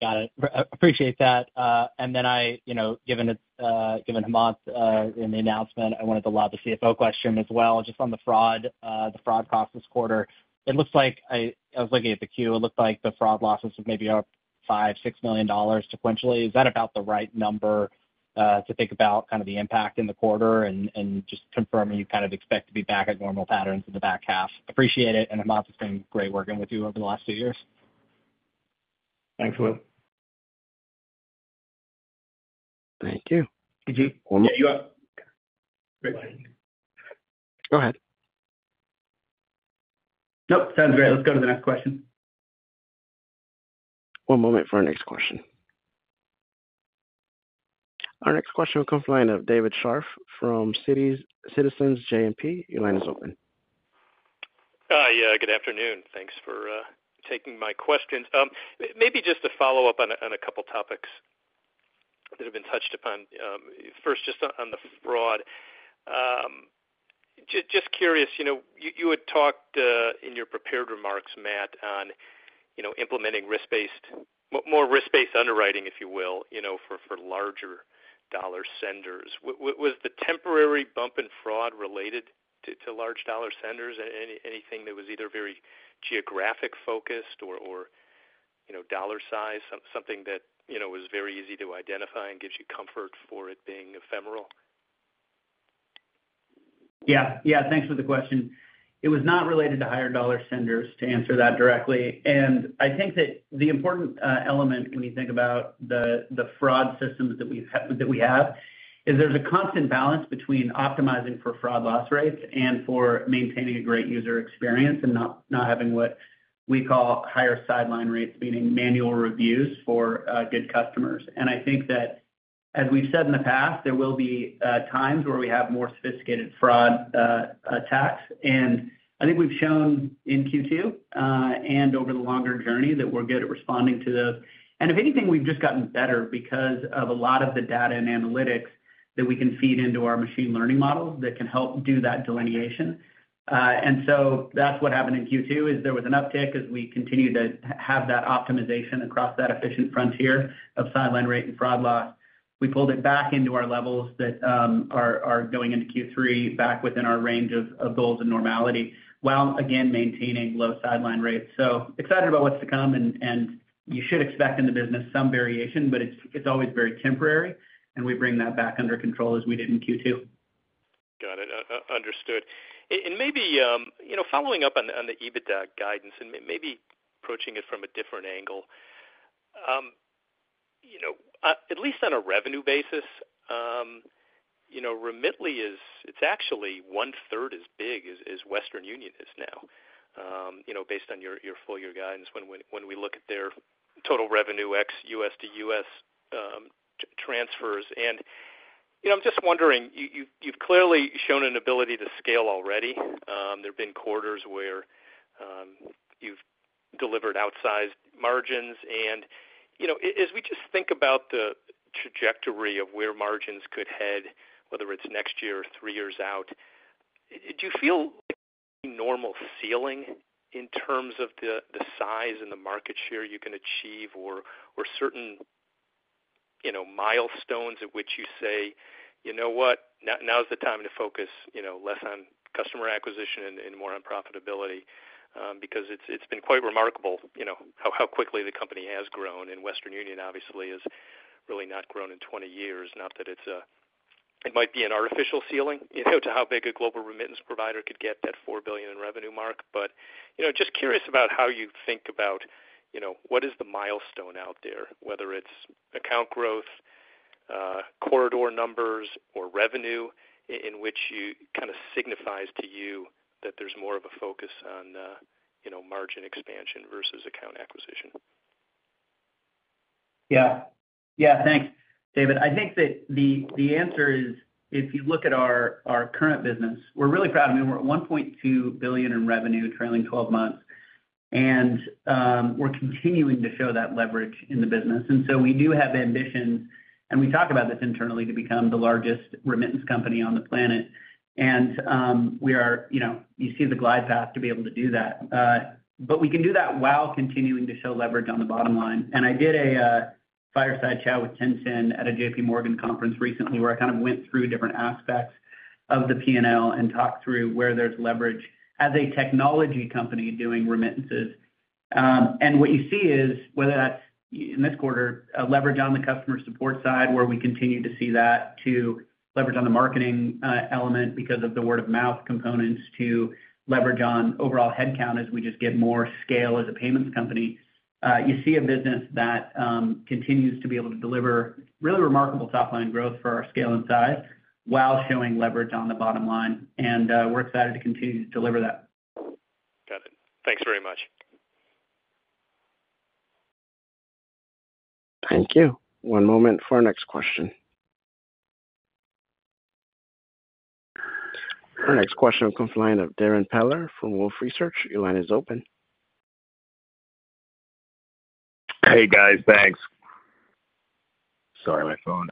Speaker 8: Got it. Appreciate that. And then I, you know, given given Hemant in the announcement, I wanted to lob the CFO question as well, just on the fraud, the fraud cost this quarter. It looks like I was looking at the queue, it looked like the fraud losses were maybe up $5-$6 million sequentially. Is that about the right number to think about kind of the impact in the quarter? And just confirming you kind of expect to be back at normal patterns in the back half. Appreciate it, and Hemant, it's been great working with you over the last two years.
Speaker 3: Thanks, Will.
Speaker 1: Thank you.
Speaker 3: Did you-
Speaker 1: One-
Speaker 3: Yeah, you're up. Great.
Speaker 1: Go ahead.
Speaker 3: Nope, sounds great. Let's go to the next question.
Speaker 1: One moment for our next question. Our next question will come from the line of David Scharf from Citizens JMP. Your line is open.
Speaker 9: Yeah, good afternoon. Thanks for taking my questions. Maybe just to follow up on a couple topics that have been touched upon. First, just on the fraud. Just curious, you know, you had talked in your prepared remarks, Matt, on, you know, implementing risk-based, more risk-based underwriting, if you will, you know, for larger dollar senders. What was the temporary bump in fraud related to large dollar senders? Anything that was either very geographic focused or, you know, dollar size, something that, you know, was very easy to identify and gives you comfort for it being ephemeral?
Speaker 3: Yeah. Yeah, thanks for the question. It was not related to higher dollar senders, to answer that directly. And I think that the important element when we think about the fraud systems that we have is there's a constant balance between optimizing for fraud loss rates and for maintaining a great user experience and not having what we call higher sideline rates, meaning manual reviews for good customers. And I think that, as we've said in the past, there will be times where we have more sophisticated fraud attacks. And I think we've shown in Q2 and over the longer journey that we're good at responding to those. And if anything, we've just gotten better because of a lot of the data and analytics that we can feed into our machine learning models that can help do that delineation. And so that's what happened in Q2, is there was an uptick as we continued to have that optimization across that efficient frontier of sideline rate and fraud loss. We pulled it back into our levels that are going into Q3, back within our range of goals and normality, while, again, maintaining low sideline rates. So excited about what's to come, and you should expect in the business some variation, but it's always very temporary, and we bring that back under control as we did in Q2.
Speaker 9: Got it. Understood. And maybe, you know, following up on the EBITDA guidance and maybe approaching it from a different angle. You know, at least on a revenue basis, you know, Remitly is, it's actually one third as big as Western Union is now, you know, based on your full year guidance, when we look at their total revenue ex US to US transfers. And, you know, I'm just wondering, you, you've clearly shown an ability to scale already. There have been quarters where you've delivered outsized margins. You know, as we just think about the trajectory of where margins could head, whether it's next year or three years out, do you feel normal ceiling in terms of the size and the market share you can achieve or certain, you know, milestones at which you say, "You know what? Now is the time to focus, you know, less on customer acquisition and more on profitability." Because it's been quite remarkable, you know, how quickly the company has grown, and Western Union obviously has really not grown in 20 years. Not that it might be an artificial ceiling, you know, to how big a global remittance provider could get that $4 billion in revenue mark. But, you know, just curious about how you think about, you know, what is the milestone out there, whether it's account growth, corridor numbers, or revenue, in which you kind of signifies to you that there's more of a focus on, you know, margin expansion versus account acquisition?
Speaker 3: Yeah. Yeah, thanks, David. I think that the answer is, if you look at our current business, we're really proud. I mean, we're at $1.2 billion in revenue, trailing twelve months, and we're continuing to show that leverage in the business. And so we do have ambitions, and we talk about this internally, to become the largest remittance company on the planet. And we are, you know, you see the glide path to be able to do that. But we can do that while continuing to show leverage on the bottom line. And I did a fireside chat with Tien-Tsin at a J.P. Morgan conference recently, where I kind of went through different aspects of the P&L and talked through where there's leverage as a technology company doing remittances. And what you see is, whether that's in this quarter, a leverage on the customer support side, where we continue to see that, to leverage on the marketing element because of the word-of-mouth components, to leverage on overall headcount as we just get more scale as a payments company. You see a business that continues to be able to deliver really remarkable top-line growth for our scale and size, while showing leverage on the bottom line. And, we're excited to continue to deliver that.
Speaker 9: Got it. Thanks very much.
Speaker 1: Thank you. One moment for our next question. Our next question comes from the line of Darrin Peller from Wolfe Research. Your line is open.
Speaker 10: Hey, guys, thanks. Sorry, my phone.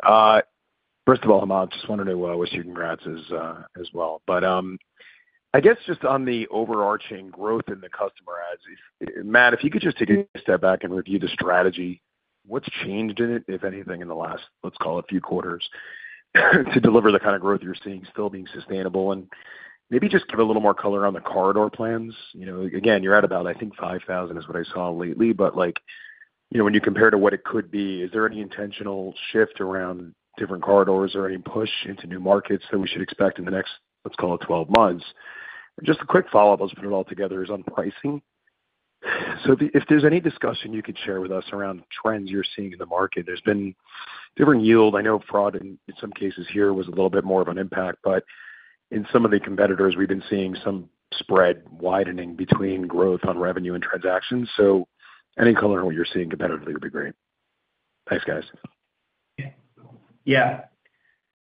Speaker 10: First of all, I just wanted to wish you congrats as well. But I guess just on the overarching growth in the customer adds, if, Matt, if you could just take a step back and review the strategy, what's changed in it, if anything, in the last, let's call it, few quarters, to deliver the kind of growth you're seeing still being sustainable? And maybe just give a little more color on the corridor plans. You know, again, you're at about, I think, 5,000 is what I saw lately. But, like, you know, when you compare to what it could be, is there any intentional shift around different corridors or any push into new markets that we should expect in the next, let's call it, 12 months? Just a quick follow-up, let's put it all together, is on pricing. So if there's any discussion you could share with us around trends you're seeing in the market. There's been different yield. I know fraud in some cases here was a little bit more of an impact, but in some of the competitors, we've been seeing some spread widening between growth on revenue and transactions. So any color on what you're seeing competitively would be great. Thanks, guys.
Speaker 3: Yeah.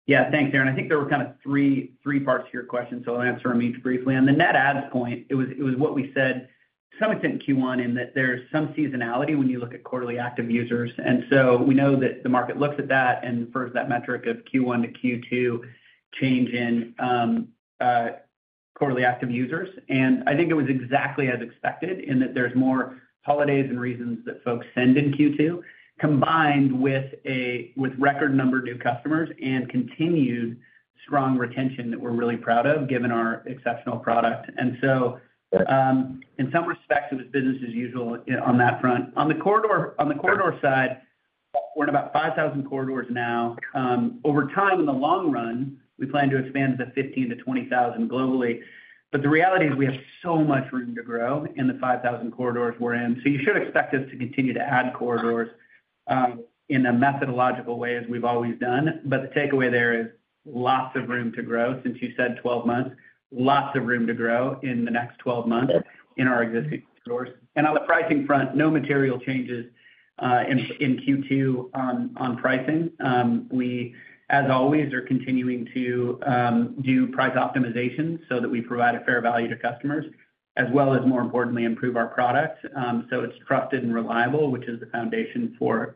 Speaker 3: Yeah, thanks, Darrin. I think there were kind of 3, 3 parts to your question, so I'll answer them each briefly. On the net adds point, it was what we said to some extent in Q1, in that there's some seasonality when you look at quarterly active users. And so we know that the market looks at that and prefers that metric of Q1 to Q2 change in quarterly active users. And I think it was exactly as expected, in that there's more holidays and reasons that folks send in Q2, combined with with record number of new customers and continued strong retention that we're really proud of, given our exceptional product. And so, in some respects, it was business as usual on that front. On the corridor side, we're in about 5,000 corridors now. Over time, in the long run, we plan to expand to 15,000-20,000 globally. But the reality is we have so much room to grow in the 5,000 corridors we're in. So you should expect us to continue to add corridors in a methodological way, as we've always done. But the takeaway there is lots of room to grow, since you said 12 months. Lots of room to grow in the next 12 months in our existing stories. On the pricing front, no material changes in Q2 on pricing. We, as always, are continuing to do price optimization so that we provide a fair value to customers, as well as, more importantly, improve our products so it's trusted and reliable, which is the foundation for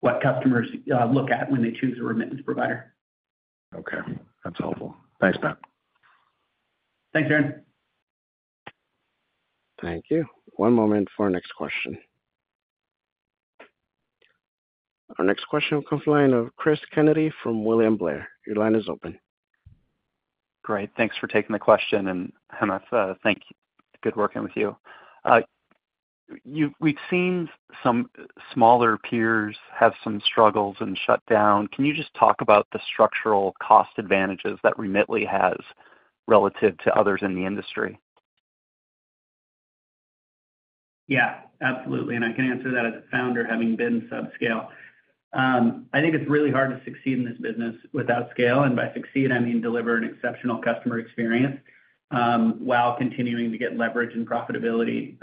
Speaker 3: what customers look at when they choose a remittance provider.
Speaker 10: Okay, that's helpful. Thanks, Matt.
Speaker 3: Thanks, Darrin.
Speaker 1: Thank you. One moment for our next question. Our next question comes from the line of Chris Kennedy from William Blair. Your line is open.
Speaker 11: Great, thanks for taking the question. And Hemanth, thank you. Good working with you. We've seen some smaller peers have some struggles and shut down. Can you just talk about the structural cost advantages that Remitly has relative to others in the industry?
Speaker 3: Yeah, absolutely, and I can answer that as a founder, having been subscale. I think it's really hard to succeed in this business without scale, and by succeed, I mean deliver an exceptional customer experience, while continuing to get leverage and profitability,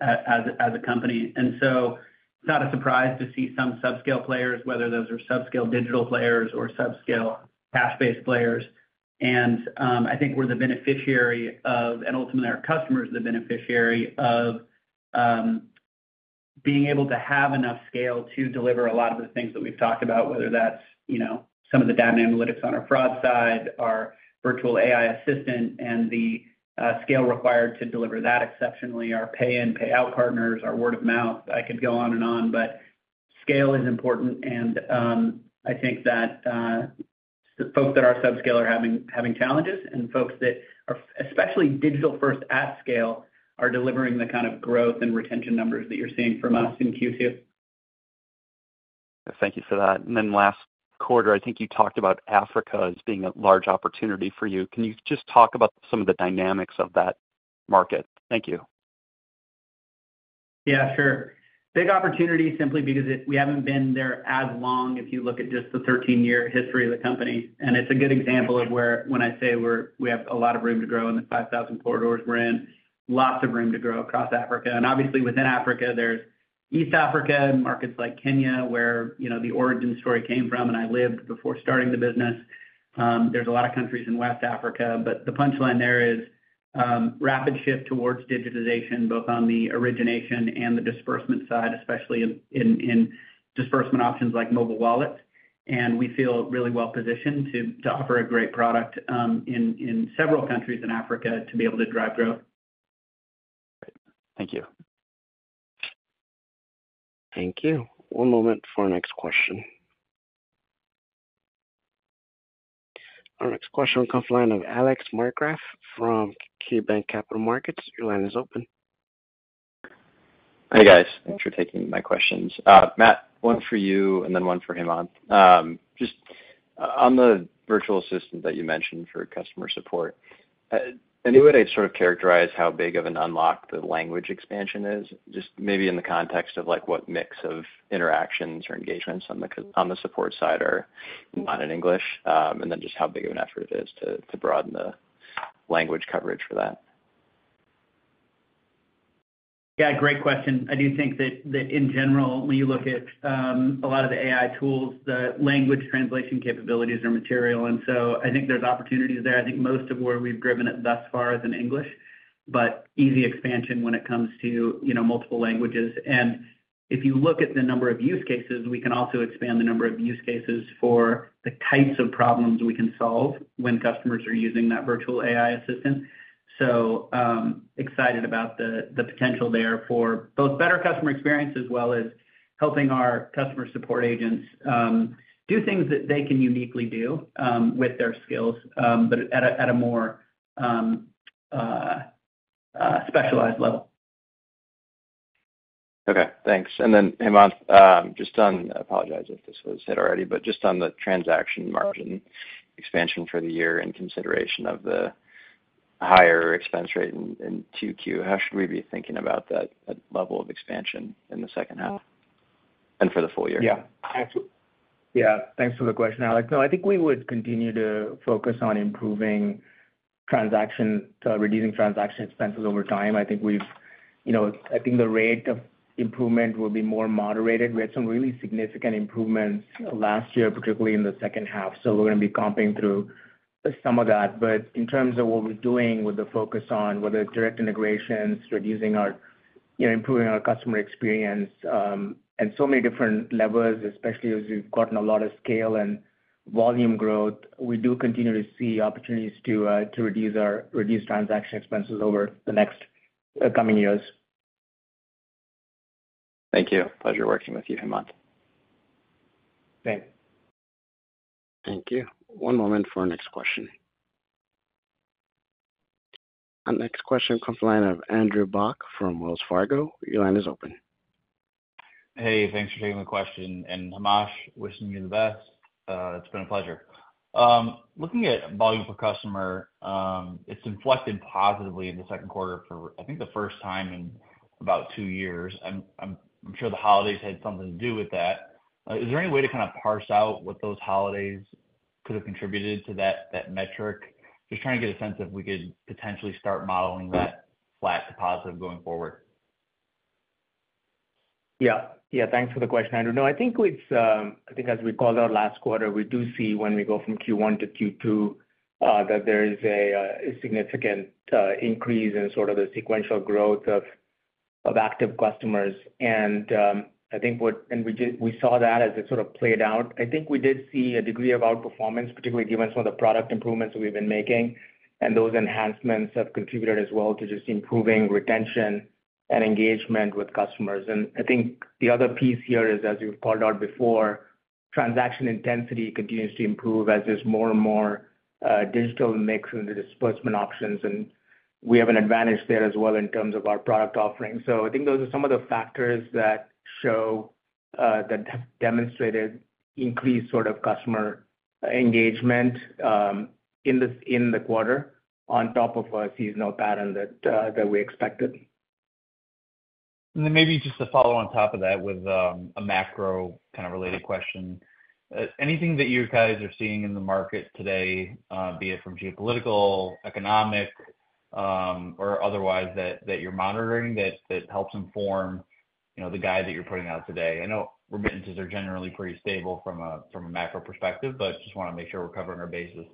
Speaker 3: as a company. And so it's not a surprise to see some subscale players, whether those are subscale digital players or subscale cash-based players. And I think we're the beneficiary of, and ultimately our customers are the beneficiary of, being able to have enough scale to deliver a lot of the things that we've talked about, whether that's, you know, some of the data analytics on our fraud side, our virtual AI assistant, and the scale required to deliver that exceptionally, our pay-in, payout partners, our word of mouth. I could go on and on, but scale is important, and I think that the folks that are sub-scale are having challenges, and folks that are, especially digital-first at scale, are delivering the kind of growth and retention numbers that you're seeing from us in Q2.
Speaker 4: Thank you for that. Then last quarter, I think you talked about Africa as being a large opportunity for you. Can you just talk about some of the dynamics of that market? Thank you.
Speaker 3: Yeah, sure. Big opportunity, simply because it—we haven't been there as long, if you look at just the 13-year history of the company. And it's a good example of where when I say we're—we have a lot of room to grow in the 5,000 corridors we're in, lots of room to grow across Africa. And obviously, within Africa, there's East Africa, markets like Kenya, where, you know, the origin story came from, and I lived before starting the business. There's a lot of countries in West Africa, but the punchline there is rapid shift towards digitization, both on the origination and the disbursement side, especially in disbursement options like mobile wallet. And we feel really well positioned to offer a great product in several countries in Africa to be able to drive growth.
Speaker 4: Great. Thank you.
Speaker 1: Thank you. One moment for our next question. Our next question comes from the line of Alex Markgraff from KeyBanc Capital Markets. Your line is open.
Speaker 12: Hey, guys. Thanks for taking my questions. Matt, one for you and then one for Hemant. Just on the virtual assistant that you mentioned for customer support, any way to sort of characterize how big of an unlock the language expansion is? Just maybe in the context of, like, what mix of interactions or engagements on the support side are not in English, and then just how big of an effort it is to broaden the language coverage for that.
Speaker 3: Yeah, great question. I do think that in general, when you look at a lot of the AI tools, the language translation capabilities are material, and so I think there's opportunities there. I think most of where we've driven it thus far is in English, but easy expansion when it comes to, you know, multiple languages. And if you look at the number of use cases, we can also expand the number of use cases for the types of problems we can solve when customers are using that virtual AI assistant. So, excited about the potential there for both better customer experience as well as helping our customer support agents do things that they can uniquely do with their skills, but at a more specialized level.
Speaker 12: Okay, thanks. And then, Hemant, just on the transaction margin expansion for the year in consideration of the higher expense rate in Q2, how should we be thinking about that level of expansion in the second half and for the full year?
Speaker 4: Yeah. Yeah, thanks for the question, Alex. No, I think we would continue to focus on improving transaction, reducing transaction expenses over time. I think we've, you know, I think the rate of improvement will be more moderated. We had some really significant improvements last year, particularly in the second half, so we're going to be comping through some of that. But in terms of what we're doing with the focus on whether it's direct integrations, reducing our, you know, improving our customer experience at so many different levels, especially as we've gotten a lot of scale and volume growth, we do continue to see opportunities to to reduce transaction expenses over the next coming years.
Speaker 12: Thank you. Pleasure working with you, Hemant.
Speaker 4: Thanks.
Speaker 1: Thank you. One moment for our next question. Our next question comes from the line of Andrew Bauch from Wells Fargo. Your line is open.
Speaker 13: Hey, thanks for taking the question. And Hemant, wishing you the best. It's been a pleasure. Looking at volume per customer, it's inflected positively in the second quarter for, I think, the first time in about two years. I'm sure the holidays had something to do with that. Is there any way to kind of parse out what those holidays could have contributed to that metric? Just trying to get a sense if we could potentially start modeling that flat to positive going forward.
Speaker 4: Yeah. Yeah, thanks for the question, Andrew. No, I think it's, I think as we called out last quarter, we do see when we go from Q1 to Q2, that there is a significant increase in sort of the sequential growth of active customers. And I think we saw that as it sort of played out. I think we did see a degree of outperformance, particularly given some of the product improvements we've been making, and those enhancements have contributed as well to just improving retention and engagement with customers. And I think the other piece here is, as you've called out before, transaction intensity continues to improve as there's more and more digital mix in the disbursement options, and we have an advantage there as well in terms of our product offerings. I think those are some of the factors that show that have demonstrated increased sort of customer engagement in the quarter, on top of a seasonal pattern that that we expected.
Speaker 13: Then maybe just to follow on top of that with a macro kind of related question. Anything that you guys are seeing in the market today, be it from geopolitical, or otherwise that you're monitoring, that helps inform, you know, the guide that you're putting out today? I know remittances are generally pretty stable from a macro perspective, but just wanna make sure we're covering our bases.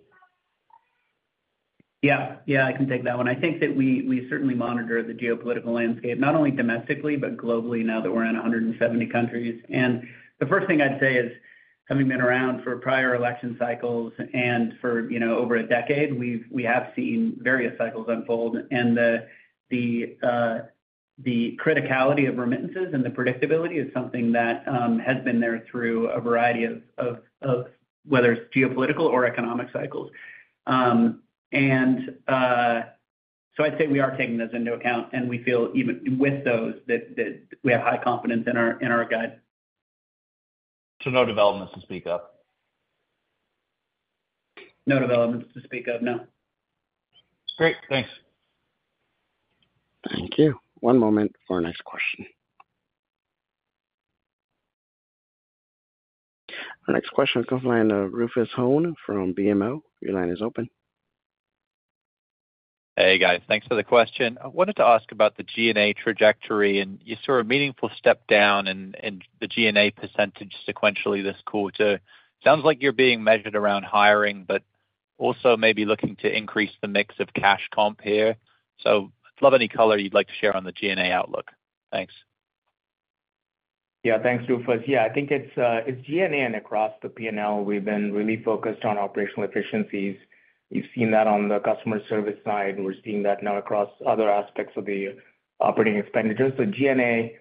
Speaker 3: Yeah. Yeah, I can take that one. I think that we certainly monitor the geopolitical landscape, not only domestically, but globally, now that we're in 170 countries. And the first thing I'd say is, having been around for prior election cycles and for, you know, over a decade, we've seen various cycles unfold. And the criticality of remittances and the predictability is something that has been there through a variety of whether it's geopolitical or economic cycles. And so I'd say we are taking this into account, and we feel even with those, that we have high confidence in our guide.
Speaker 13: No developments to speak of?
Speaker 3: No developments to speak of, no.
Speaker 13: Great. Thanks.
Speaker 1: Thank you. One moment for our next question. Our next question comes from line of Rufus Hone from BMO. Your line is open.
Speaker 14: Hey, guys. Thanks for the question. I wanted to ask about the G&A trajectory, and you saw a meaningful step down in the G&A percentage sequentially this quarter. Sounds like you're being measured around hiring, but also maybe looking to increase the mix of cash comp here. So I'd love any color you'd like to share on the G&A outlook. Thanks.
Speaker 4: Yeah, thanks, Rufus. Yeah, I think it's, it's G&A and across the P&L, we've been really focused on operational efficiencies. We've seen that on the customer service side, and we're seeing that now across other aspects of the operating expenditures. So G&A,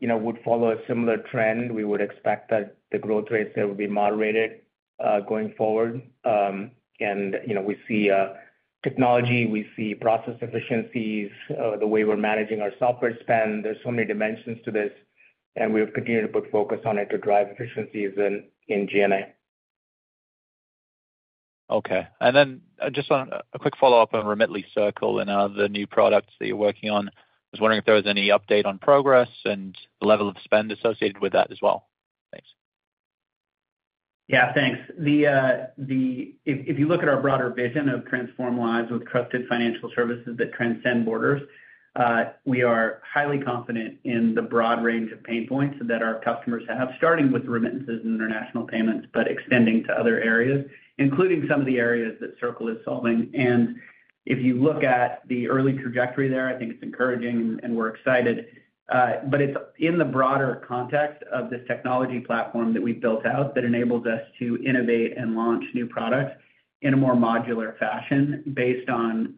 Speaker 4: you know, would follow a similar trend. We would expect that the growth rates there will be moderated, going forward. And, you know, we see, technology, we see process efficiencies, the way we're managing our software spend. There's so many dimensions to this, and we're continuing to put focus on it to drive efficiencies in, in G&A.
Speaker 14: Okay. And then just on a quick follow-up on Remitly, Circle and the new products that you're working on. I was wondering if there was any update on progress and the level of spend associated with that as well. Thanks.
Speaker 3: Yeah, thanks. If you look at our broader vision of transform lives with trusted financial services that transcend borders, we are highly confident in the broad range of pain points that our customers have, starting with remittances and international payments, but extending to other areas, including some of the areas that Circle is solving. And if you look at the early trajectory there, I think it's encouraging, and we're excited. But it's in the broader context of this technology platform that we've built out that enables us to innovate and launch new products in a more modular fashion based on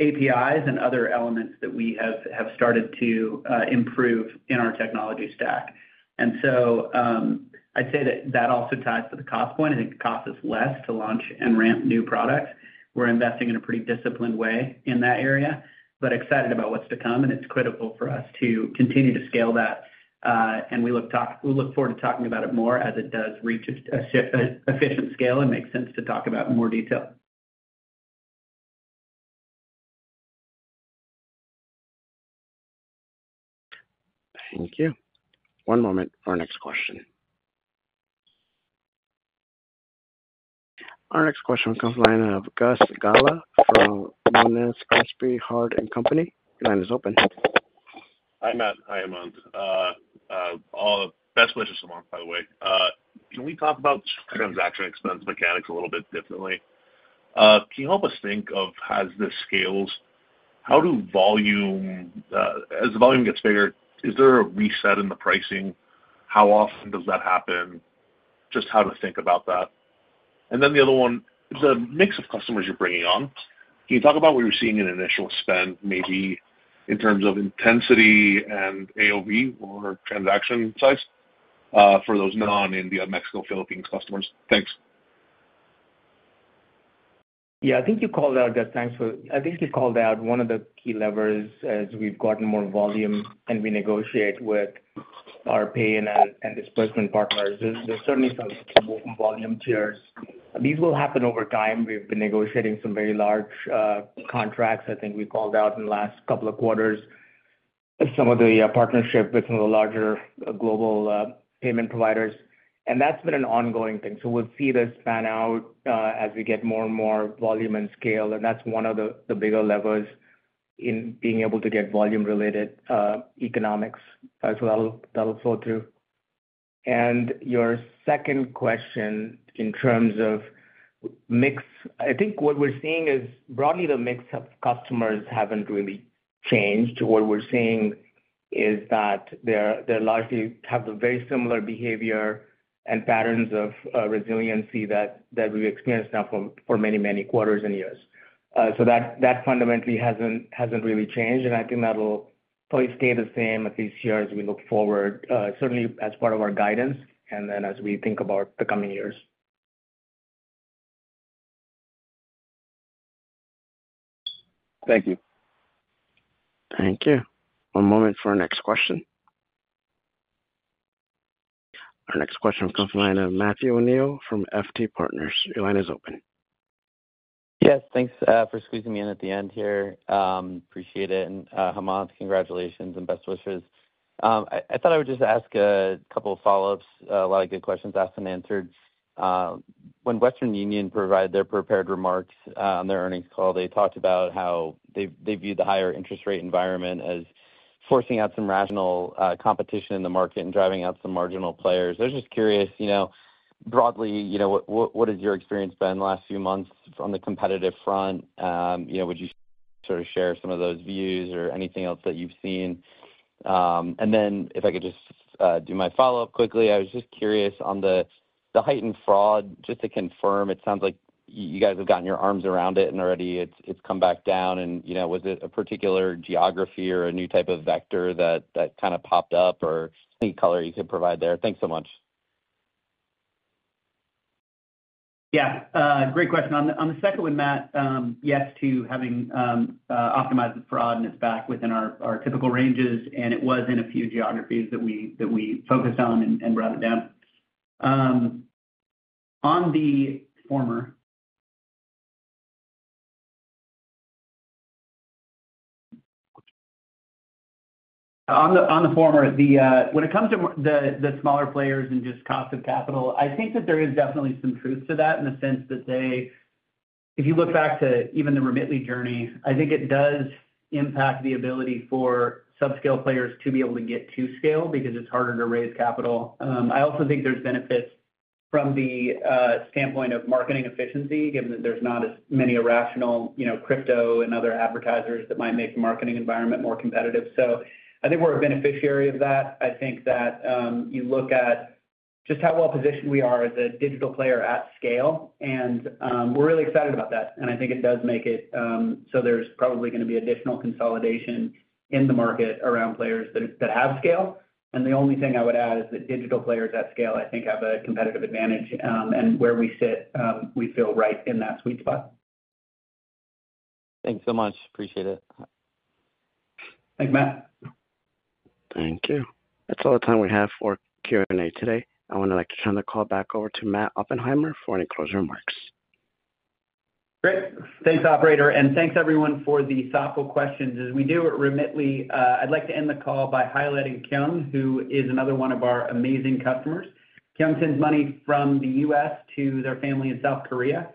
Speaker 3: APIs and other elements that we have started to improve in our technology stack. And so, I'd say that that also ties to the cost point, and it costs us less to launch and ramp new products. We're investing in a pretty disciplined way in that area, but excited about what's to come, and it's critical for us to continue to scale that, and we look forward to talking about it more as it does reach an efficient scale and makes sense to talk about in more detail.
Speaker 1: Thank you. One moment for our next question. Our next question comes from the line of Gus Gala from Monness, Crespi, Hardt. Your line is open.
Speaker 15: Hi, Matt. Hi, Hemant. All best wishes, Hemant, by the way. Can we talk about transaction expense mechanics a little bit differently? Can you help us think of, as this scales, how do volume, as the volume gets bigger, is there a reset in the pricing? How often does that happen? Just how to think about that. And then the other one, the mix of customers you're bringing on, can you talk about what you're seeing in initial spend, maybe in terms of intensity and AOV or transaction size, for those non-India, Mexico, Philippines customers? Thanks.
Speaker 4: Yeah, I think you called out that. Thanks for... I think you called out one of the key levers as we've gotten more volume, and we negotiate with our pay-in and, and disbursement partners. There's certainly some volume tiers. These will happen over time. We've been negotiating some very large contracts. I think we called out in the last couple of quarters some of the partnership with some of the larger global payment providers, and that's been an ongoing thing. So we'll see this pan out as we get more and more volume and scale, and that's one of the bigger levers in being able to get volume-related economics as well, that'll flow through. And your second question in terms of mix, I think what we're seeing is broadly the mix of customers haven't really changed. What we're seeing is that they largely have a very similar behavior and patterns of resiliency that we've experienced now for many, many quarters and years. So that fundamentally hasn't really changed, and I think that'll probably stay the same at least here as we look forward, certainly as part of our guidance and then as we think about the coming years.
Speaker 15: Thank you.
Speaker 1: Thank you. One moment for our next question. Our next question comes from the line of Matthew O'Neill from FT Partners. Your line is open.
Speaker 16: Yes, thanks for squeezing me in at the end here. Appreciate it. And, Hemant, congratulations and best wishes. I thought I would just ask a couple of follow-ups. A lot of good questions asked and answered. When Western Union provided their prepared remarks on their earnings call, they talked about how they viewed the higher interest rate environment as forcing out some rational competition in the market and driving out some marginal players. I was just curious, you know, broadly, you know, what has your experience been the last few months on the competitive front? You know, would you sort of share some of those views or anything else that you've seen? And then if I could just do my follow-up quickly. I was just curious on the heightened fraud, just to confirm, it sounds like you guys have gotten your arms around it, and already it's come back down and, you know, was it a particular geography or a new type of vector that kind of popped up, or any color you could provide there? Thanks so much.
Speaker 3: Yeah, great question. On the second one, Matt, yes to having optimized the fraud, and it's back within our typical ranges, and it was in a few geographies that we focused on and brought it down. On the former... On the former, when it comes to the smaller players and just cost of capital, I think that there is definitely some truth to that in the sense that they—if you look back to even the Remitly journey, I think it does impact the ability for subscale players to be able to get to scale because it's harder to raise capital. I also think there's benefits from the standpoint of marketing efficiency, given that there's not as many irrational, you know, crypto and other advertisers that might make the marketing environment more competitive. So I think we're a beneficiary of that. I think that you look at just how well positioned we are as a digital player at scale, and we're really excited about that, and I think it does make it so there's probably gonna be additional consolidation in the market around players that have scale. And the only thing I would add is that digital players at scale, I think, have a competitive advantage, and where we sit, we feel right in that sweet spot.
Speaker 16: Thanks so much. Appreciate it.
Speaker 3: Thanks, Matt.
Speaker 1: Thank you. That's all the time we have for Q&A today. I would like to turn the call back over to Matt Oppenheimer for any closing remarks.
Speaker 3: Great. Thanks, operator, and thanks everyone for the thoughtful questions. As we do at Remitly, I'd like to end the call by highlighting Kyung, who is another one of our amazing customers. Kyung sends money from the U.S. to their family in South Korea,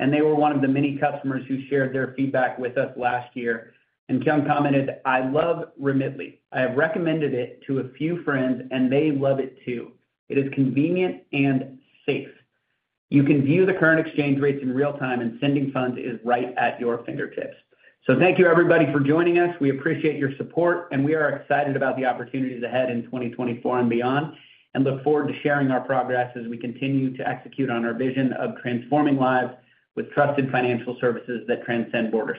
Speaker 3: and they were one of the many customers who shared their feedback with us last year. And Kyung commented, "I love Remitly. I have recommended it to a few friends, and they love it too. It is convenient and safe. You can view the current exchange rates in real time, and sending funds is right at your fingertips." So thank you, everybody, for joining us. We appreciate your support, and we are excited about the opportunities ahead in 2024 and beyond, and look forward to sharing our progress as we continue to execute on our vision of transforming lives with trusted financial services that transcend borders.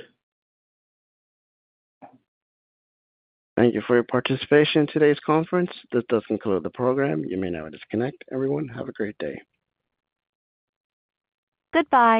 Speaker 1: Thank you for your participation in today's conference. This does conclude the program. You may now disconnect. Everyone, have a great day. Goodbye.